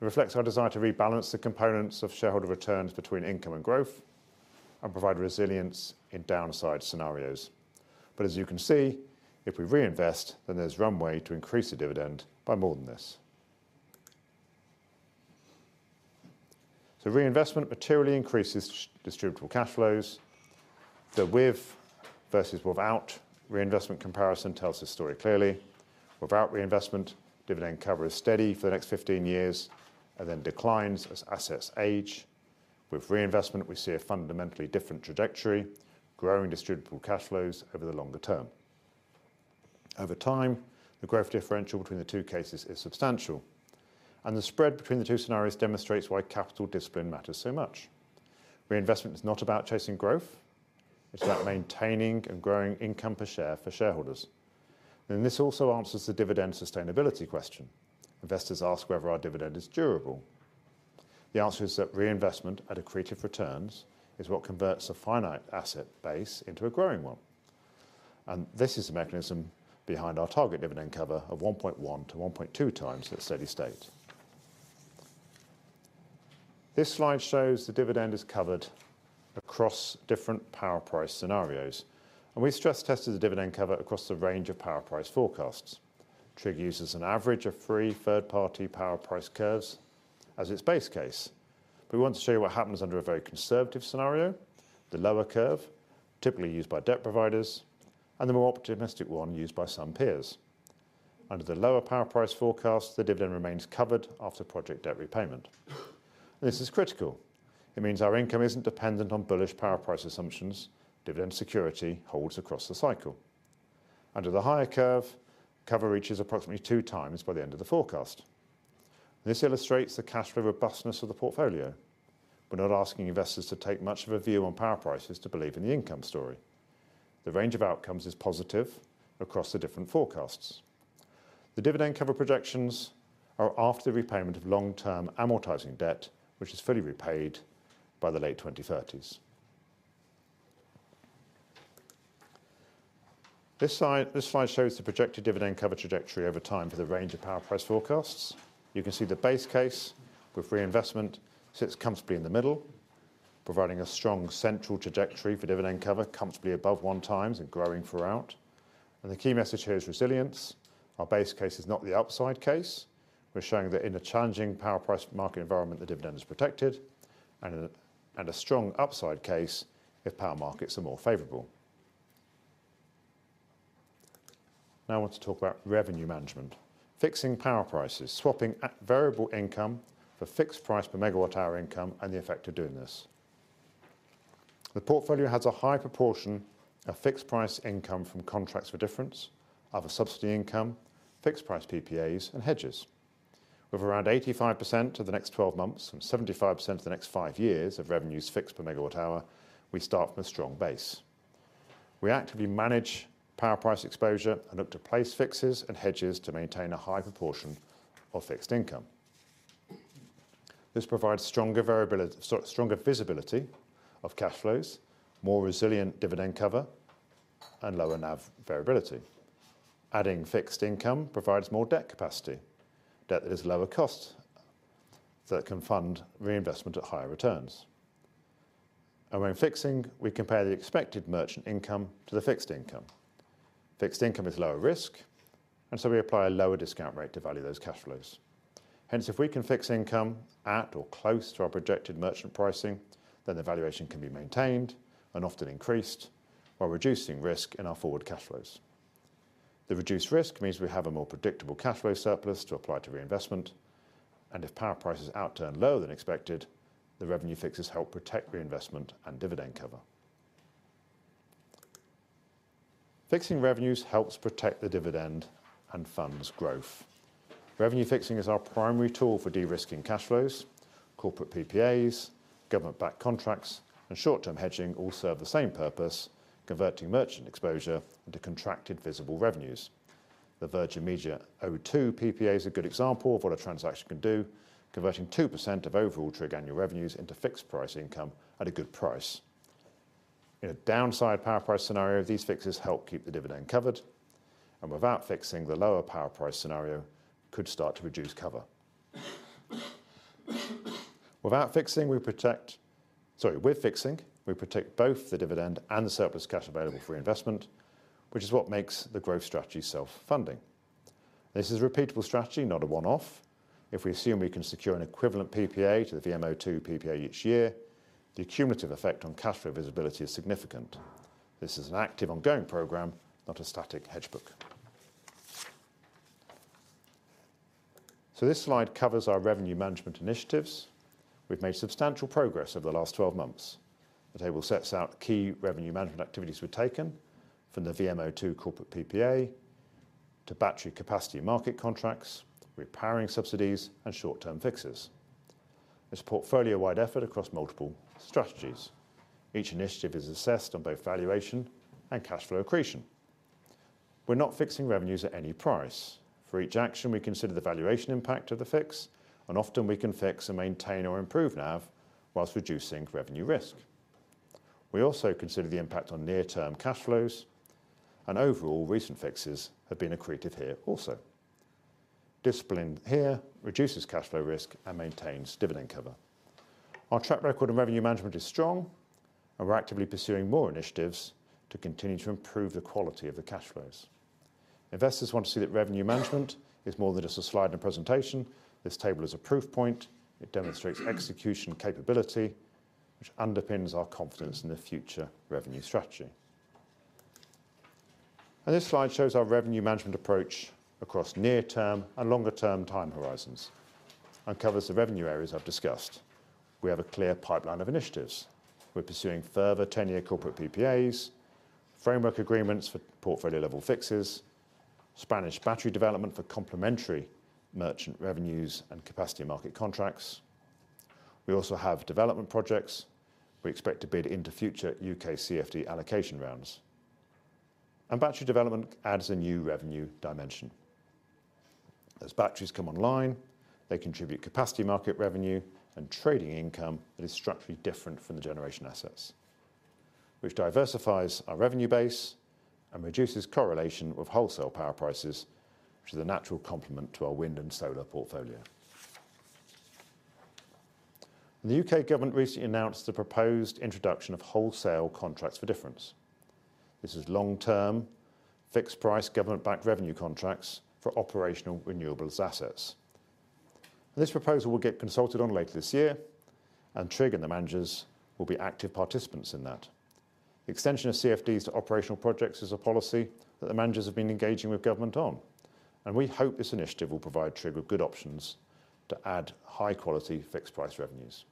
It reflects our desire to rebalance the components of shareholder returns between income and growth and provide resilience in downside scenarios. As you can see, if we reinvest, then there's runway to increase the dividend by more than this. Reinvestment materially increases distributable cash flows. The with versus without reinvestment comparison tells this story clearly. Without reinvestment, dividend cover is steady for the next 15 years and then declines as assets age. With reinvestment, we see a fundamentally different trajectory, growing distributable cash flows over the longer term. Over time, the growth differential between the two cases is substantial, and the spread between the two scenarios demonstrates why capital discipline matters so much. Reinvestment is not about chasing growth. It's about maintaining and growing income per share for shareholders. This also answers the dividend sustainability question. Investors ask whether our dividend is durable. The answer is that reinvestment at accretive returns is what converts a finite asset base into a growing one. This is the mechanism behind our target dividend cover of 1.1-1.2x at steady state. This slide shows the dividend is covered across different power price scenarios, and we stress-tested the dividend cover across a range of power price forecasts. TRIG uses an average of three third-party power price curves as its base case. We want to show you what happens under a very conservative scenario, the lower curve typically used by debt providers, and the more optimistic one used by some peers. Under the lower power price forecast, the dividend remains covered after project debt repayment. This is critical. It means our income isn't dependent on bullish power price assumptions. Dividend security holds across the cycle. Under the higher curve, cover reaches approximately 2x by the end of the forecast. This illustrates the cash flow robustness of the portfolio. We are not asking investors to take much of a view on power prices to believe in the income story. The range of outcomes is positive across the different forecasts. The dividend cover projections are after the repayment of long-term amortizing debt, which is fully repaid by the late 2030s. This slide shows the projected dividend cover trajectory over time for the range of power price forecasts. You can see the base case with reinvestment sits comfortably in the middle, providing a strong central trajectory for dividend cover comfortably above 1x and growing throughout. The key message here is resilience. Our base case is not the upside case. We're showing that in a challenging power price market environment, the dividend is protected and a strong upside case if power markets are more favorable. I want to talk about revenue management. Fixing power prices, swapping at variable income for fixed price per megawatt hour income and the effect of doing this. The portfolio has a high proportion of fixed price income from Contracts for Difference, other subsidy income, fixed price PPAs, and hedges. With around 85% of the next 12 months and 75% of the next five years of revenues fixed per megawatt hour, we start from a strong base. We actively manage power price exposure and look to place fixes and hedges to maintain a high proportion of fixed income. This provides stronger visibility of cash flows, more resilient dividend cover, and lower NAV variability. Adding fixed income provides more debt capacity, debt that is lower cost that can fund reinvestment at higher returns. When fixing, we compare the expected merchant income to the fixed income. Fixed income is lower risk, we apply a lower discount rate to value those cash flows. If we can fix income at or close to our projected merchant pricing, then the valuation can be maintained and often increased while reducing risk in our forward cash flows. The reduced risk means we have a more predictable cash flow surplus to apply to reinvestment, if power prices outturn lower than expected, the revenue fixes help protect reinvestment and dividend cover. Fixing revenues helps protect the dividend and funds growth. Revenue fixing is our primary tool for de-risking cash flows. Corporate PPAs, government-backed contracts, and short-term hedging all serve the same purpose, converting merchant exposure into contracted visible revenues. The Virgin Media O2 PPA is a good example of what a transaction can do, converting 2% of overall TRIG annual revenues into fixed price income at a good price. In a downside power price scenario, these fixes help keep the dividend covered, and without fixing the lower power price scenario could start to reduce cover. Without fixing, we protect Sorry, with fixing, we protect both the dividend and the surplus cash available for investment, which is what makes the growth strategy self-funding. This is a repeatable strategy, not a one-off. If we assume we can secure an equivalent PPA to the VM O2 PPA each year, the cumulative effect on cash flow visibility is significant. This is an active ongoing program, not a static hedge book. This slide covers our revenue management initiatives. We've made substantial progress over the last 12 months. The table sets out the key revenue management activities we've taken from the VMO2 corporate PPA to battery capacity market contracts, repowering subsidies, and short-term fixes. It's a portfolio-wide effort across multiple strategies. Each initiative is assessed on both valuation and cash flow accretion. We're not fixing revenues at any price. For each action, we consider the valuation impact of the fix, often we can fix and maintain or improve NAV whilst reducing revenue risk. We also consider the impact on near-term cash flows, overall recent fixes have been accretive here also. Discipline here reduces cash flow risk and maintains dividend cover. Our track record in revenue management is strong, we're actively pursuing more initiatives to continue to improve the quality of the cash flows. Investors want to see that revenue management is more than just a slide in a presentation. This table is a proof point. It demonstrates execution capability, which underpins our confidence in the future revenue strategy. This slide shows our revenue management approach across near term and longer-term time horizons and covers the revenue areas I've discussed. We have a clear pipeline of initiatives. We're pursuing further 10-year corporate PPAs, framework agreements for portfolio-level fixes, Spanish battery development for complementary merchant revenues, and capacity market contracts. We also have development projects. We expect to bid into future U.K. CfD allocation rounds. Battery development adds a new revenue dimension. As batteries come online, they contribute capacity market revenue and trading income that is structurally different from the generation assets, which diversifies our revenue base and reduces correlation with wholesale power prices, which is a natural complement to our wind and solar portfolio. The U.K. government recently announced the proposed introduction of Wholesale Contracts for Difference. This is long-term, fixed-price, government-backed revenue contracts for operational renewables assets. This proposal will get consulted on later this year. TRIG and the managers will be active participants in that. Extension of CfDs to operational projects is a policy that the managers have been engaging with government on. We hope this initiative will provide TRIG with good options to add high-quality fixed-price revenues.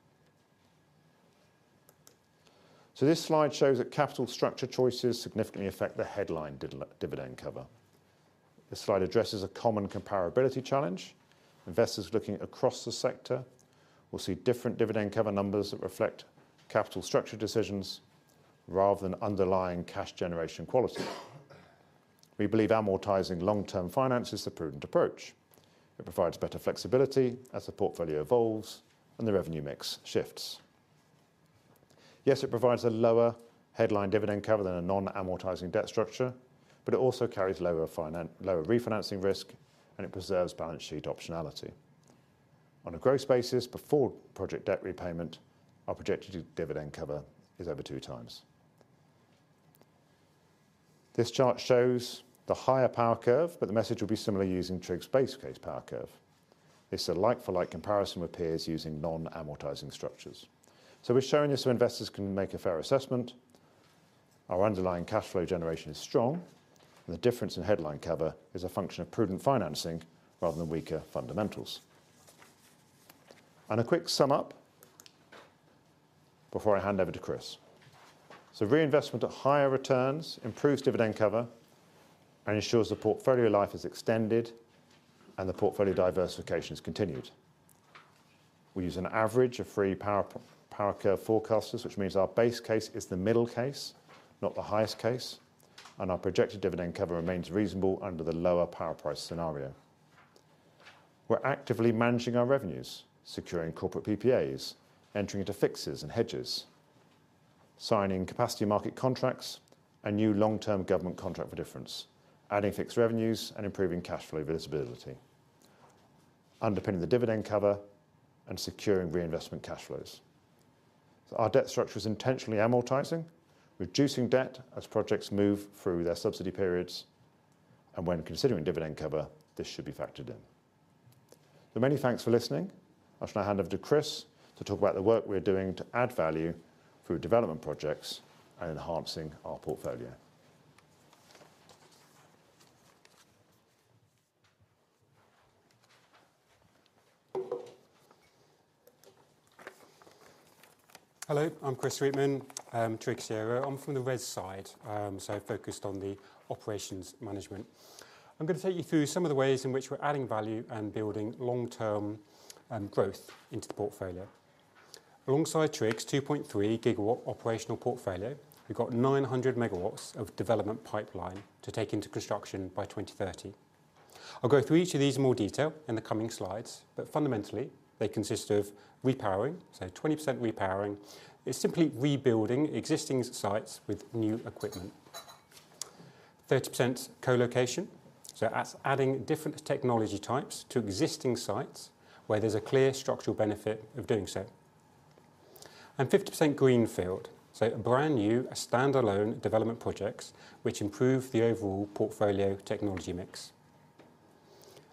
This slide shows that capital structure choices significantly affect the headline dividend cover. This slide addresses a common comparability challenge. Investors looking across the sector will see different dividend cover numbers that reflect capital structure decisions rather than underlying cash generation quality. We believe amortizing long-term finance is the prudent approach. It provides better flexibility as the portfolio evolves and the revenue mix shifts. Yes, it provides a lower headline dividend cover than a non-amortizing debt structure, but it also carries lower refinancing risk, and it preserves balance sheet optionality. On a gross basis, before project debt repayment, our projected dividend cover is over 2x. This chart shows the higher power curve, but the message will be similar using TRIG's base case power curve. It's a like-for-like comparison with peers using non-amortizing structures. We're showing this so investors can make a fair assessment. Our underlying cash flow generation is strong, and the difference in headline cover is a function of prudent financing rather than weaker fundamentals. A quick sum-up before I hand over to Chris. Reinvestment at higher returns improves dividend cover and ensures the portfolio life is extended and the portfolio diversification is continued. We use an average of three power curve forecasters, which means our base case is the middle case, not the highest case, and our projected dividend cover remains reasonable under the lower power price scenario. We're actively managing our revenues, securing corporate PPAs, entering into fixes and hedges, signing capacity market contracts, a new long-term government Contracts for Difference, adding fixed revenues, and improving cash flow visibility, underpinning the dividend cover and securing reinvestment cash flows. Our debt structure is intentionally amortizing, reducing debt as projects move through their subsidy periods. When considering dividend cover, this should be factored in. Many thanks for listening. I shall now hand over to Chris to talk about the work we're doing to add value through development projects and enhancing our portfolio. Hello, I'm Chris Sweetman. I'm TRIG's COO from the RES side, so focused on the operations management. I'm gonna take you through some of the ways in which we're adding value and building long-term growth into the portfolio. Alongside TRIG's 2.3 GW operational portfolio, we've got 900 MW of development pipeline to take into construction by 2030. I'll go through each of these in more detail in the coming slides, but fundamentally, they consist of repowering, so 20% repowering is simply rebuilding existing sites with new equipment. 30% co-location, so that's adding different technology types to existing sites where there's a clear structural benefit of doing so. 50% greenfield, so brand-new standalone development projects which improve the overall portfolio technology mix.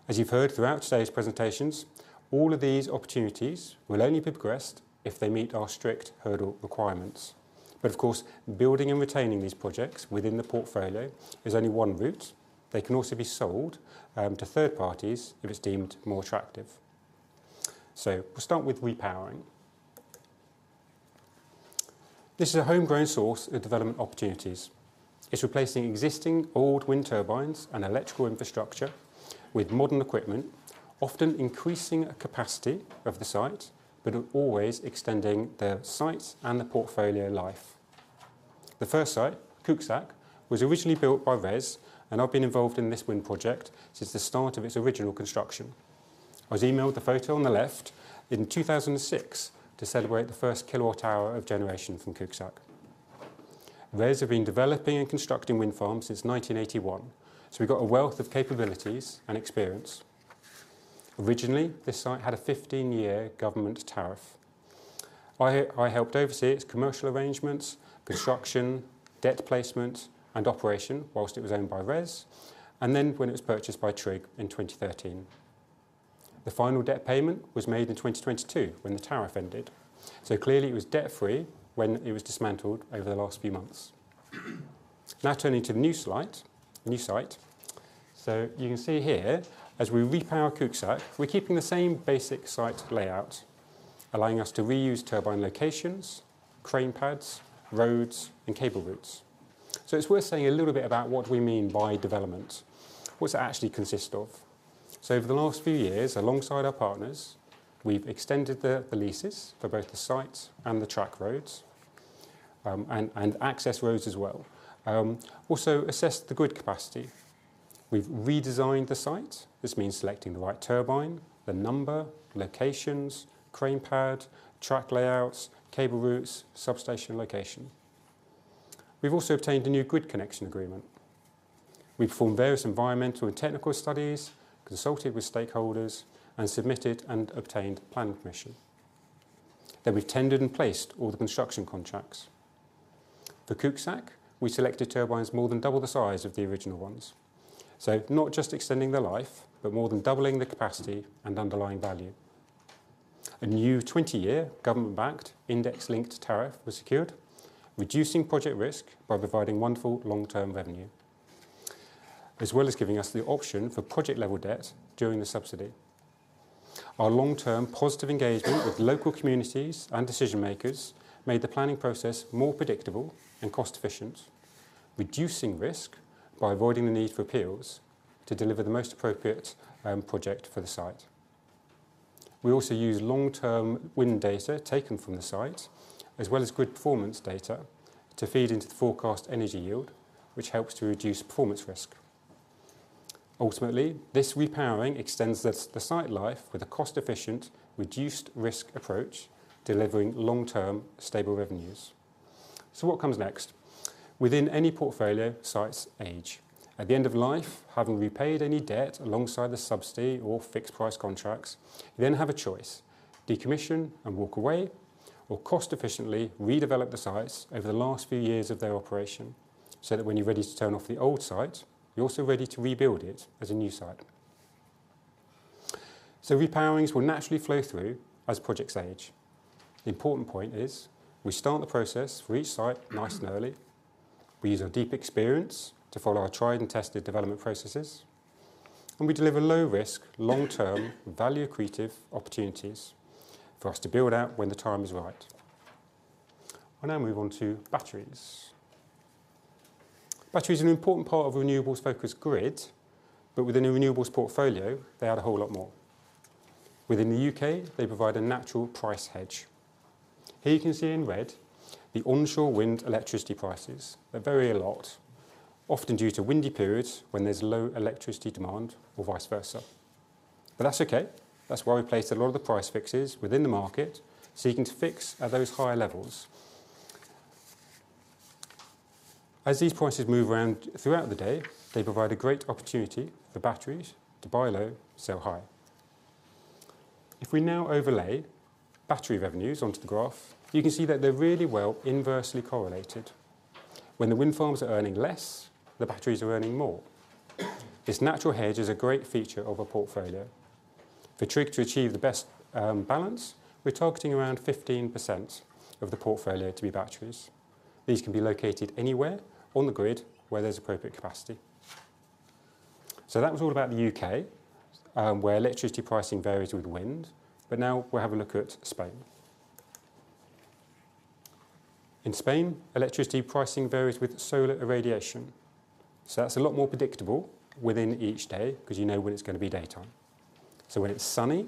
As you've heard throughout today's presentations, all of these opportunities will only be progressed if they meet our strict hurdle requirements. Of course, building and retaining these projects within the portfolio is only one route. They can also be sold to third parties if it's deemed more attractive. We'll start with repowering. This is a homegrown source of development opportunities. It's replacing existing old wind turbines and electrical infrastructure with modern equipment, often increasing capacity of the site, but always extending the site's and the portfolio life. The first site, Cuxac, was originally built by RES, and I've been involved in this wind project since the start of its original construction. I was emailed the photo on the left in 2006 to celebrate the first kilowatt hour of generation from Cuxac. RES have been developing and constructing wind farms since 1981, so we've got a wealth of capabilities and experience. Originally, this site had a 15-year government tariff. I helped oversee its commercial arrangements, construction, debt placement, and operation whilst it was owned by RES, and then when it was purchased by TRIG in 2013. The final debt payment was made in 2022 when the tariff ended. Clearly, it was debt-free when it was dismantled over the last few months. Now turning to the new site. You can see here, as we repower Cuxac, we're keeping the same basic site layout, allowing us to reuse turbine locations, crane pads, roads, and cable routes. It's worth saying a little bit about what we mean by development, what's it actually consist of. Over the last few years, alongside our partners, we've extended the leases for both the site and the track roads, and access roads as well. Also assessed the grid capacity. We've redesigned the site. This means selecting the right turbine, the number, locations, crane pad, track layouts, cable routes, substation location. We've also obtained a new grid connection agreement. We've performed various environmental and technical studies, consulted with stakeholders, and submitted and obtained planning permission. We've tendered and placed all the construction contracts. For Cuxac, we selected turbines more than double the size of the original ones. Not just extending their life, but more than doubling the capacity and underlying value. A new 20-year government-backed index-linked tariff was secured, reducing project risk by providing wonderful long-term revenue, as well as giving us the option for project-level debt during the subsidy. Our long-term positive engagement with local communities and decision-makers made the planning process more predictable and cost-efficient, reducing risk by avoiding the need for appeals to deliver the most appropriate project for the site. We also use long-term wind data taken from the site, as well as grid performance data, to feed into the forecast energy yield, which helps to reduce performance risk. Ultimately, this repowering extends the site life with a cost-efficient, reduced-risk approach, delivering long-term stable revenues. What comes next? Within any portfolio, sites age. At the end of life, having repaid any debt alongside the subsidy or fixed price contracts, you then have a choice: decommission and walk away, or cost-efficiently redevelop the sites over the last few years of their operation, so that when you're ready to turn off the old site, you're also ready to rebuild it as a new site. Repowerings will naturally flow through as projects age. The important point is we start the process for each site nice and early, we use our deep experience to follow our tried and tested development processes, and we deliver low-risk, long-term, value-accretive opportunities for us to build out when the time is right. I'll now move on to batteries. Battery is an important part of a renewables-focused grid, but within a renewables portfolio, they add a whole lot more. Within the U.K., they provide a natural price hedge. Here you can see in red the onshore wind electricity prices. They vary a lot, often due to windy periods when there's low electricity demand or vice versa. That's okay. That's why we placed a lot of the price fixes within the market, seeking to fix at those higher levels. As these prices move around throughout the day, they provide a great opportunity for batteries to buy low, sell high. If we now overlay battery revenues onto the graph, you can see that they're really well inversely correlated. When the wind farms are earning less, the batteries are earning more. This natural hedge is a great feature of a portfolio. For TRIG to achieve the best balance, we're targeting around 15% of the portfolio to be batteries. These can be located anywhere on the grid where there's appropriate capacity. That was all about the U.K., where electricity pricing varies with wind. Now we'll have a look at Spain. In Spain, electricity pricing varies with solar irradiation. That's a lot more predictable within each day because you know when it's gonna be daytime. When it's sunny,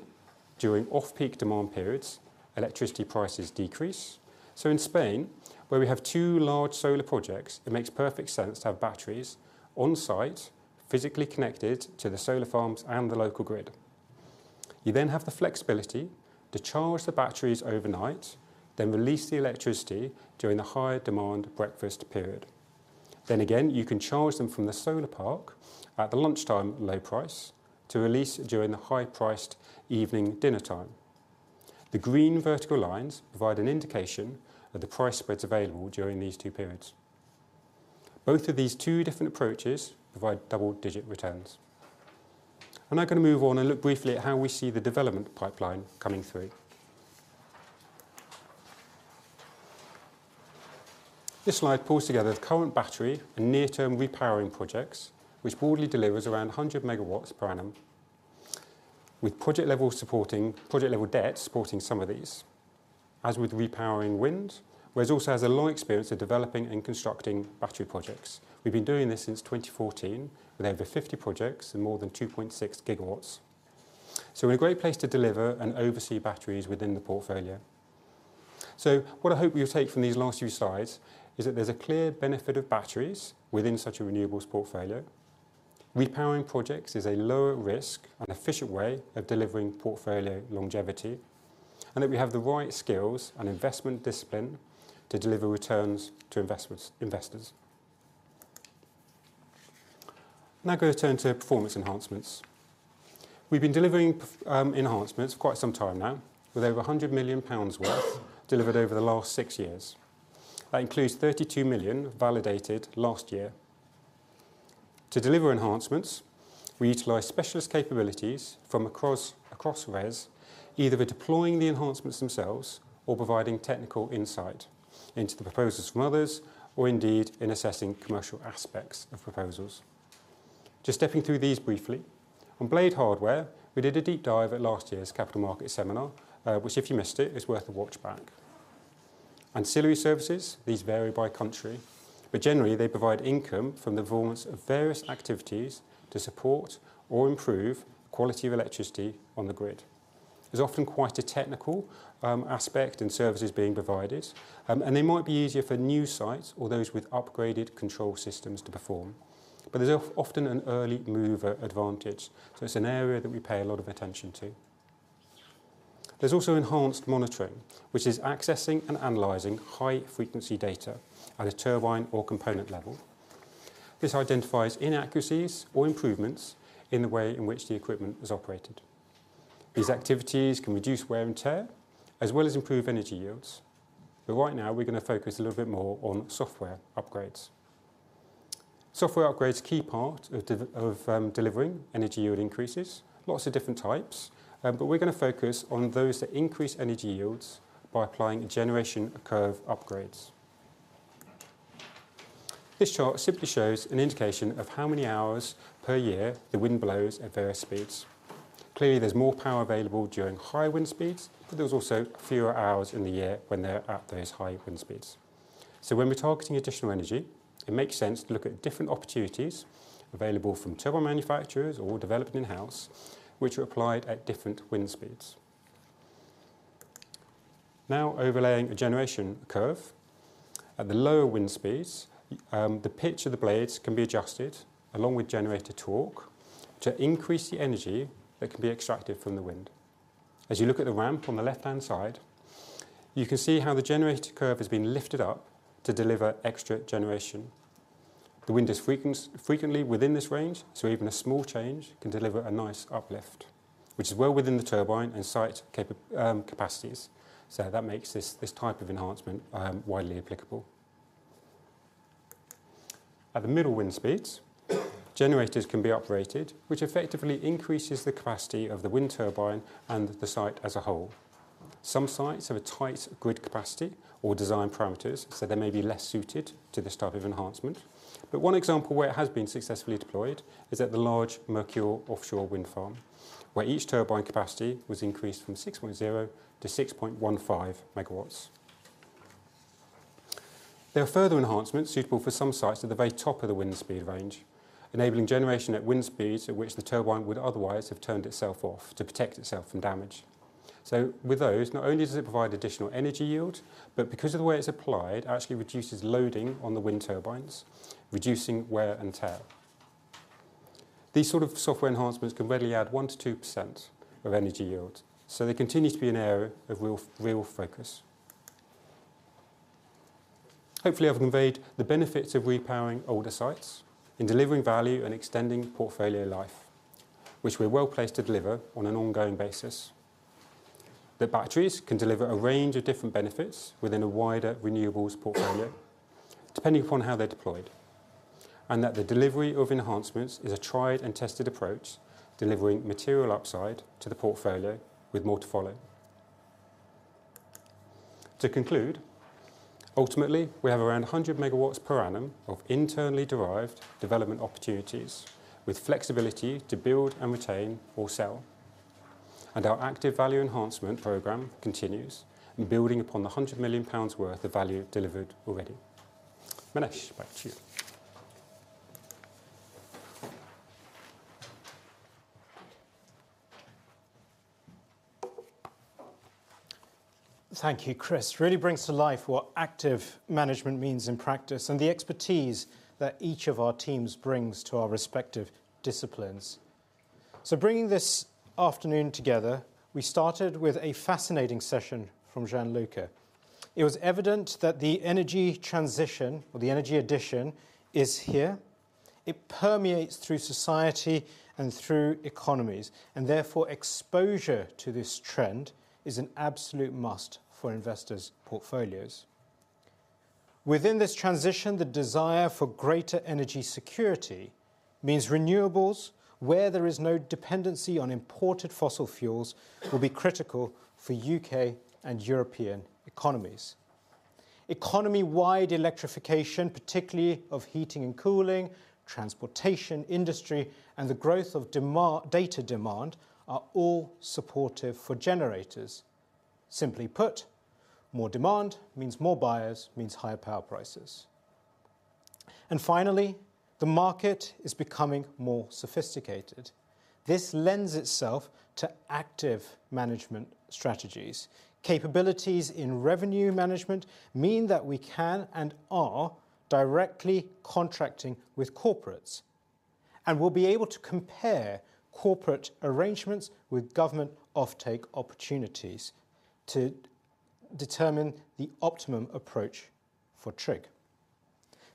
during off-peak demand periods, electricity prices decrease. In Spain, where we have two large solar projects, it makes perfect sense to have batteries on site physically connected to the solar farms and the local grid. You then have the flexibility to charge the batteries overnight, then release the electricity during the higher demand breakfast period. Again, you can charge them from the solar park at the lunchtime low price to release during the high-priced evening dinner time. The green vertical lines provide an indication of the price spreads available during these two periods. Both of these two different approaches provide double-digit returns. I'm now going to move on and look briefly at how we see the development pipeline coming through. This slide pulls together the current battery and near-term repowering projects, which broadly delivers around 100 MW per annum, with project-level debt supporting some of these. As with repowering wind, RES also has a long experience of developing and constructing battery projects. We've been doing this since 2014 with over 50 projects and more than 2.6 GW. We're in a great place to deliver and oversee batteries within the portfolio. What I hope you'll take from these last two slides is that there's a clear benefit of batteries within such a renewables portfolio. Repowering projects is a lower risk and efficient way of delivering portfolio longevity, and that we have the right skills and investment discipline to deliver returns to investors. Now I'm going to turn to performance enhancements. We've been delivering enhancements quite some time now with over 100 million pounds worth delivered over the last six years. That includes 32 million validated last year. To deliver enhancements, we utilize specialist capabilities from across RES, either by deploying the enhancements themselves or providing technical insight into the proposals from others, or indeed in assessing commercial aspects of proposals. Just stepping through these briefly. On blade hardware, we did a deep dive at last year's Capital Market Seminar, which if you missed it, is worth a watch back. Ancillary services, these vary by country, but generally, they provide income from the performance of various activities to support or improve quality of electricity on the grid. There's often quite a technical aspect in services being provided, and they might be easier for new sites or those with upgraded control systems to perform. There's often an early mover advantage, so it's an area that we pay a lot of attention to. There's also enhanced monitoring, which is accessing and analyzing high-frequency data at a turbine or component level. This identifies inaccuracies or improvements in the way in which the equipment is operated. These activities can reduce wear and tear as well as improve energy yields. Right now, we're gonna focus a little bit more on software upgrades. Software upgrades are a key part of delivering energy yield increases. Lots of different types, but we're gonna focus on those that increase energy yields by applying generation curve upgrades. This chart simply shows an indication of how many hours per year the wind blows at various speeds. Clearly, there's more power available during higher wind speeds, but there's also fewer hours in the year when they're at those higher wind speeds. When we're targeting additional energy, it makes sense to look at different opportunities available from turbine manufacturers or developed in-house, which are applied at different wind speeds. Now overlaying a generation curve. At the lower wind speeds, the pitch of the blades can be adjusted along with generator torque to increase the energy that can be extracted from the wind. As you look at the ramp on the left-hand side, you can see how the generator curve has been lifted up to deliver extra generation. The wind is frequently within this range, so even a small change can deliver a nice uplift, which is well within the turbine and site capacities. That makes this type of enhancement widely applicable. At the middle wind speeds, generators can be operated, which effectively increases the capacity of the wind turbine and the site as a whole. Some sites have a tight grid capacity or design parameters, so they may be less suited to this type of enhancement. One example where it has been successfully deployed is at the large Merkur offshore wind farm, where each turbine capacity was increased from 6.0-6.15 MW. There are further enhancements suitable for some sites at the very top of the wind speed range, enabling generation at wind speeds at which the turbine would otherwise have turned itself off to protect itself from damage. With those, not only does it provide additional energy yield, but because of the way it's applied, it actually reduces loading on the wind turbines, reducing wear and tear. These sort of software enhancements can readily add 1%-2% of energy yield, so they continue to be an area of real focus. Hopefully, I've conveyed the benefits of repowering older sites in delivering value and extending portfolio life, which we're well-placed to deliver on an ongoing basis. That batteries can deliver a range of different benefits within a wider renewables portfolio, depending upon how they're deployed, and that the delivery of enhancements is a tried and tested approach, delivering material upside to the portfolio with more to follow. To conclude, ultimately, we have around 100 MW per annum of internally derived development opportunities with flexibility to build and retain or sell. Our active value enhancement program continues building upon the 100 million pounds worth of value delivered already. Minesh, back to you. Thank you, Chris. Really brings to life what active management means in practice and the expertise that each of our teams brings to our respective disciplines. Bringing this afternoon together, we started with a fascinating session from Gianluca. It was evident that the energy transition or the energy addition is here. It permeates through society and through economies, and therefore exposure to this trend is an absolute must for investors' portfolios. Within this transition, the desire for greater energy security means renewables where there is no dependency on imported fossil fuels will be critical for U.K. and European economies. Economy-wide electrification, particularly of heating and cooling, transportation, industry, and the growth of data demand are all supportive for generators. Simply put, more demand means more buyers, means higher power prices. Finally, the market is becoming more sophisticated. This lends itself to active management strategies. Capabilities in revenue management mean that we can and are directly contracting with corporates and will be able to compare corporate arrangements with government offtake opportunities to determine the optimum approach for TRIG.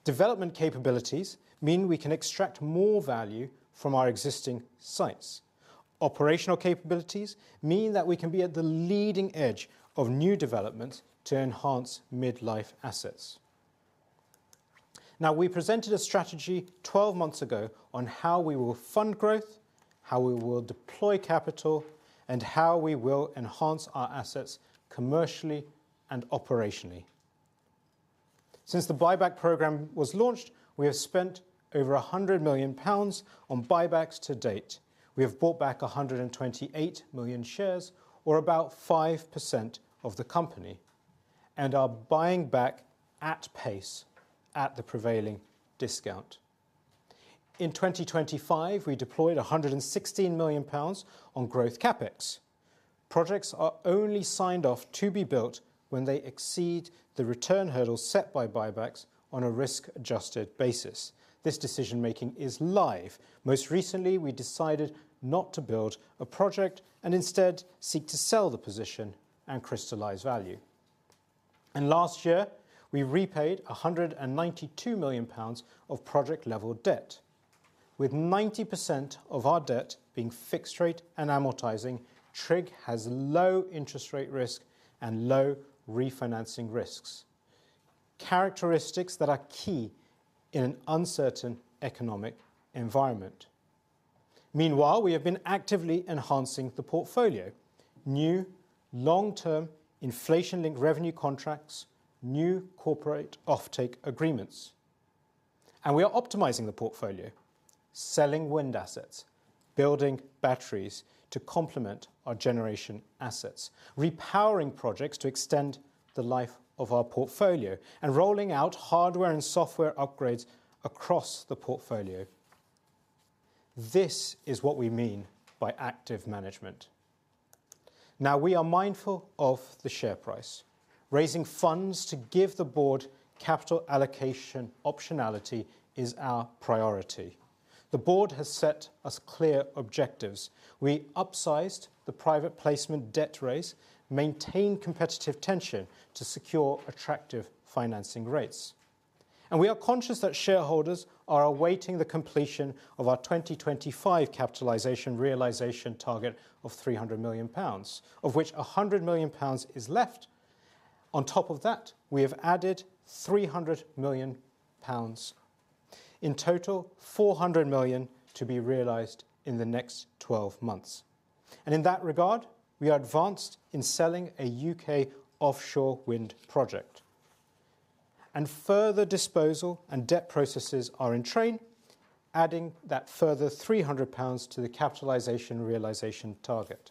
Development capabilities mean we can extract more value from our existing sites. Operational capabilities mean that we can be at the leading edge of new development to enhance mid-life assets. We presented a strategy 12 months ago on how we will fund growth, how we will deploy capital, and how we will enhance our assets commercially and operationally. Since the buyback program was launched, we have spent over 100 million pounds on buybacks to date. We have bought back 128 million shares or about 5% of the company and are buying back at pace at the prevailing discount. In 2025, we deployed 116 million pounds on growth CapEx. Projects are only signed off to be built when they exceed the return hurdle set by buybacks on a risk-adjusted basis. This decision-making is live. Most recently, we decided not to build a project and instead seek to sell the position and crystallize value. Last year, we repaid 192 million pounds of project-level debt. With 90% of our debt being fixed rate and amortizing, TRIG has low interest rate risk and low refinancing risks, characteristics that are key in an uncertain economic environment. Meanwhile, we have been actively enhancing the portfolio, new long-term inflation-linked revenue contracts, new corporate offtake agreements. We are optimizing the portfolio, selling wind assets, building batteries to complement our generation assets, repowering projects to extend the life of our portfolio, and rolling out hardware and software upgrades across the portfolio. This is what we mean by active management. Now, we are mindful of the share price. Raising funds to give the board capital allocation optionality is our priority. The board has set us clear objectives. We upsized the private placement debt raise, maintained competitive tension to secure attractive financing rates. We are conscious that shareholders are awaiting the completion of our 2025 capitalization realization target of 300 million pounds, of which 100 million pounds is left. On top of that, we have added 300 million pounds. In total, 400 million to be realized in the next 12 months. In that regard, we are advanced in selling a U.K. offshore wind project. Further disposal and debt processes are in train, adding that further 300 pounds to the capitalization realization target.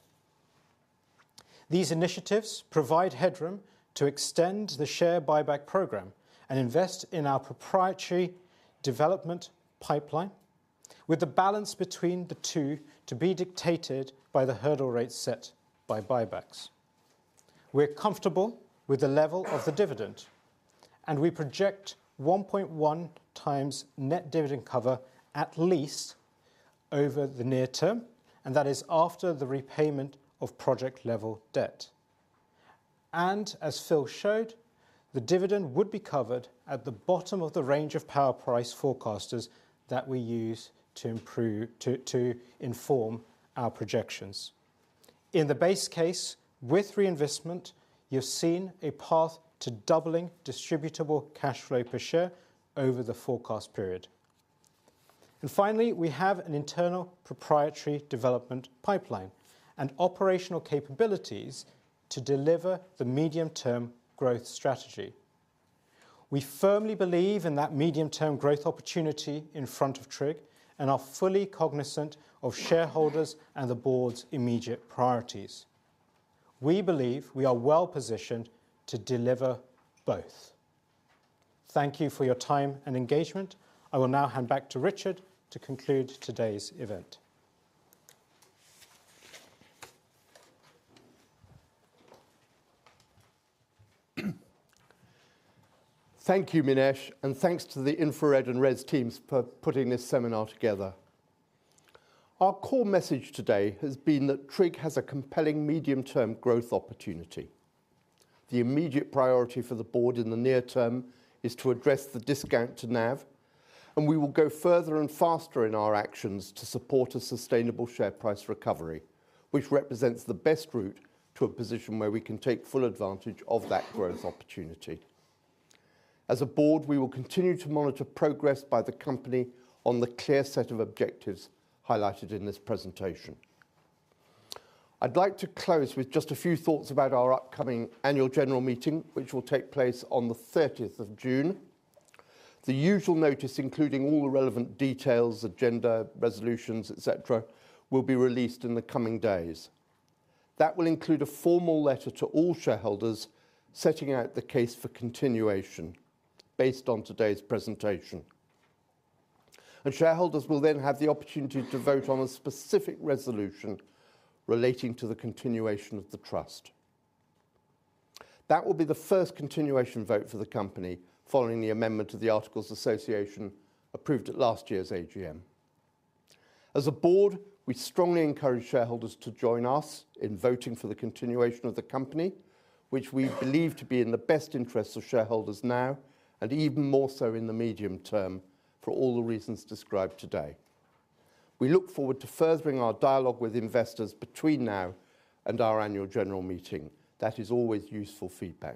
These initiatives provide headroom to extend the share buyback program and invest in our proprietary development pipeline with the balance between the two to be dictated by the hurdle rates set by buybacks. We are comfortable with the level of the dividend. We project 1.1x net dividend cover at least over the near term. That is after the repayment of project-level debt. As Phil showed, the dividend would be covered at the bottom of the range of power price forecasters that we use to inform our projections. In the base case, with reinvestment, you have seen a path to doubling distributable cash flow per share over the forecast period. Finally, we have an internal proprietary development pipeline and operational capabilities to deliver the medium-term growth strategy. We firmly believe in that medium-term growth opportunity in front of TRIG and are fully cognizant of shareholders and the board's immediate priorities. We believe we are well-positioned to deliver both. Thank you for your time and engagement. I will now hand back to Richard to conclude today's event. Thank you, Minesh, and thanks to the InfraRed and RES teams for putting this seminar together. Our core message today has been that TRIG has a compelling medium-term growth opportunity. The immediate priority for the board in the near term is to address the discount to NAV, and we will go further and faster in our actions to support a sustainable share price recovery, which represents the best route to a position where we can take full advantage of that growth opportunity. As a board, we will continue to monitor progress by the company on the clear set of objectives highlighted in this presentation. I'd like to close with just a few thoughts about our upcoming annual general meeting, which will take place on the 30th of June. The usual notice, including all the relevant details, agenda, resolutions, et cetera, will be released in the coming days. That will include a formal letter to all shareholders setting out the case for continuation based on today's presentation. Shareholders will then have the opportunity to vote on a specific resolution relating to the continuation of the trust. That will be the first continuation vote for the company following the amendment to the Articles of Association approved at last year's AGM. As a board, we strongly encourage shareholders to join us in voting for the continuation of the company, which we believe to be in the best interest of shareholders now, and even more so in the medium term, for all the reasons described today. We look forward to furthering our dialogue with investors between now and our annual general meeting. That is always useful feedback.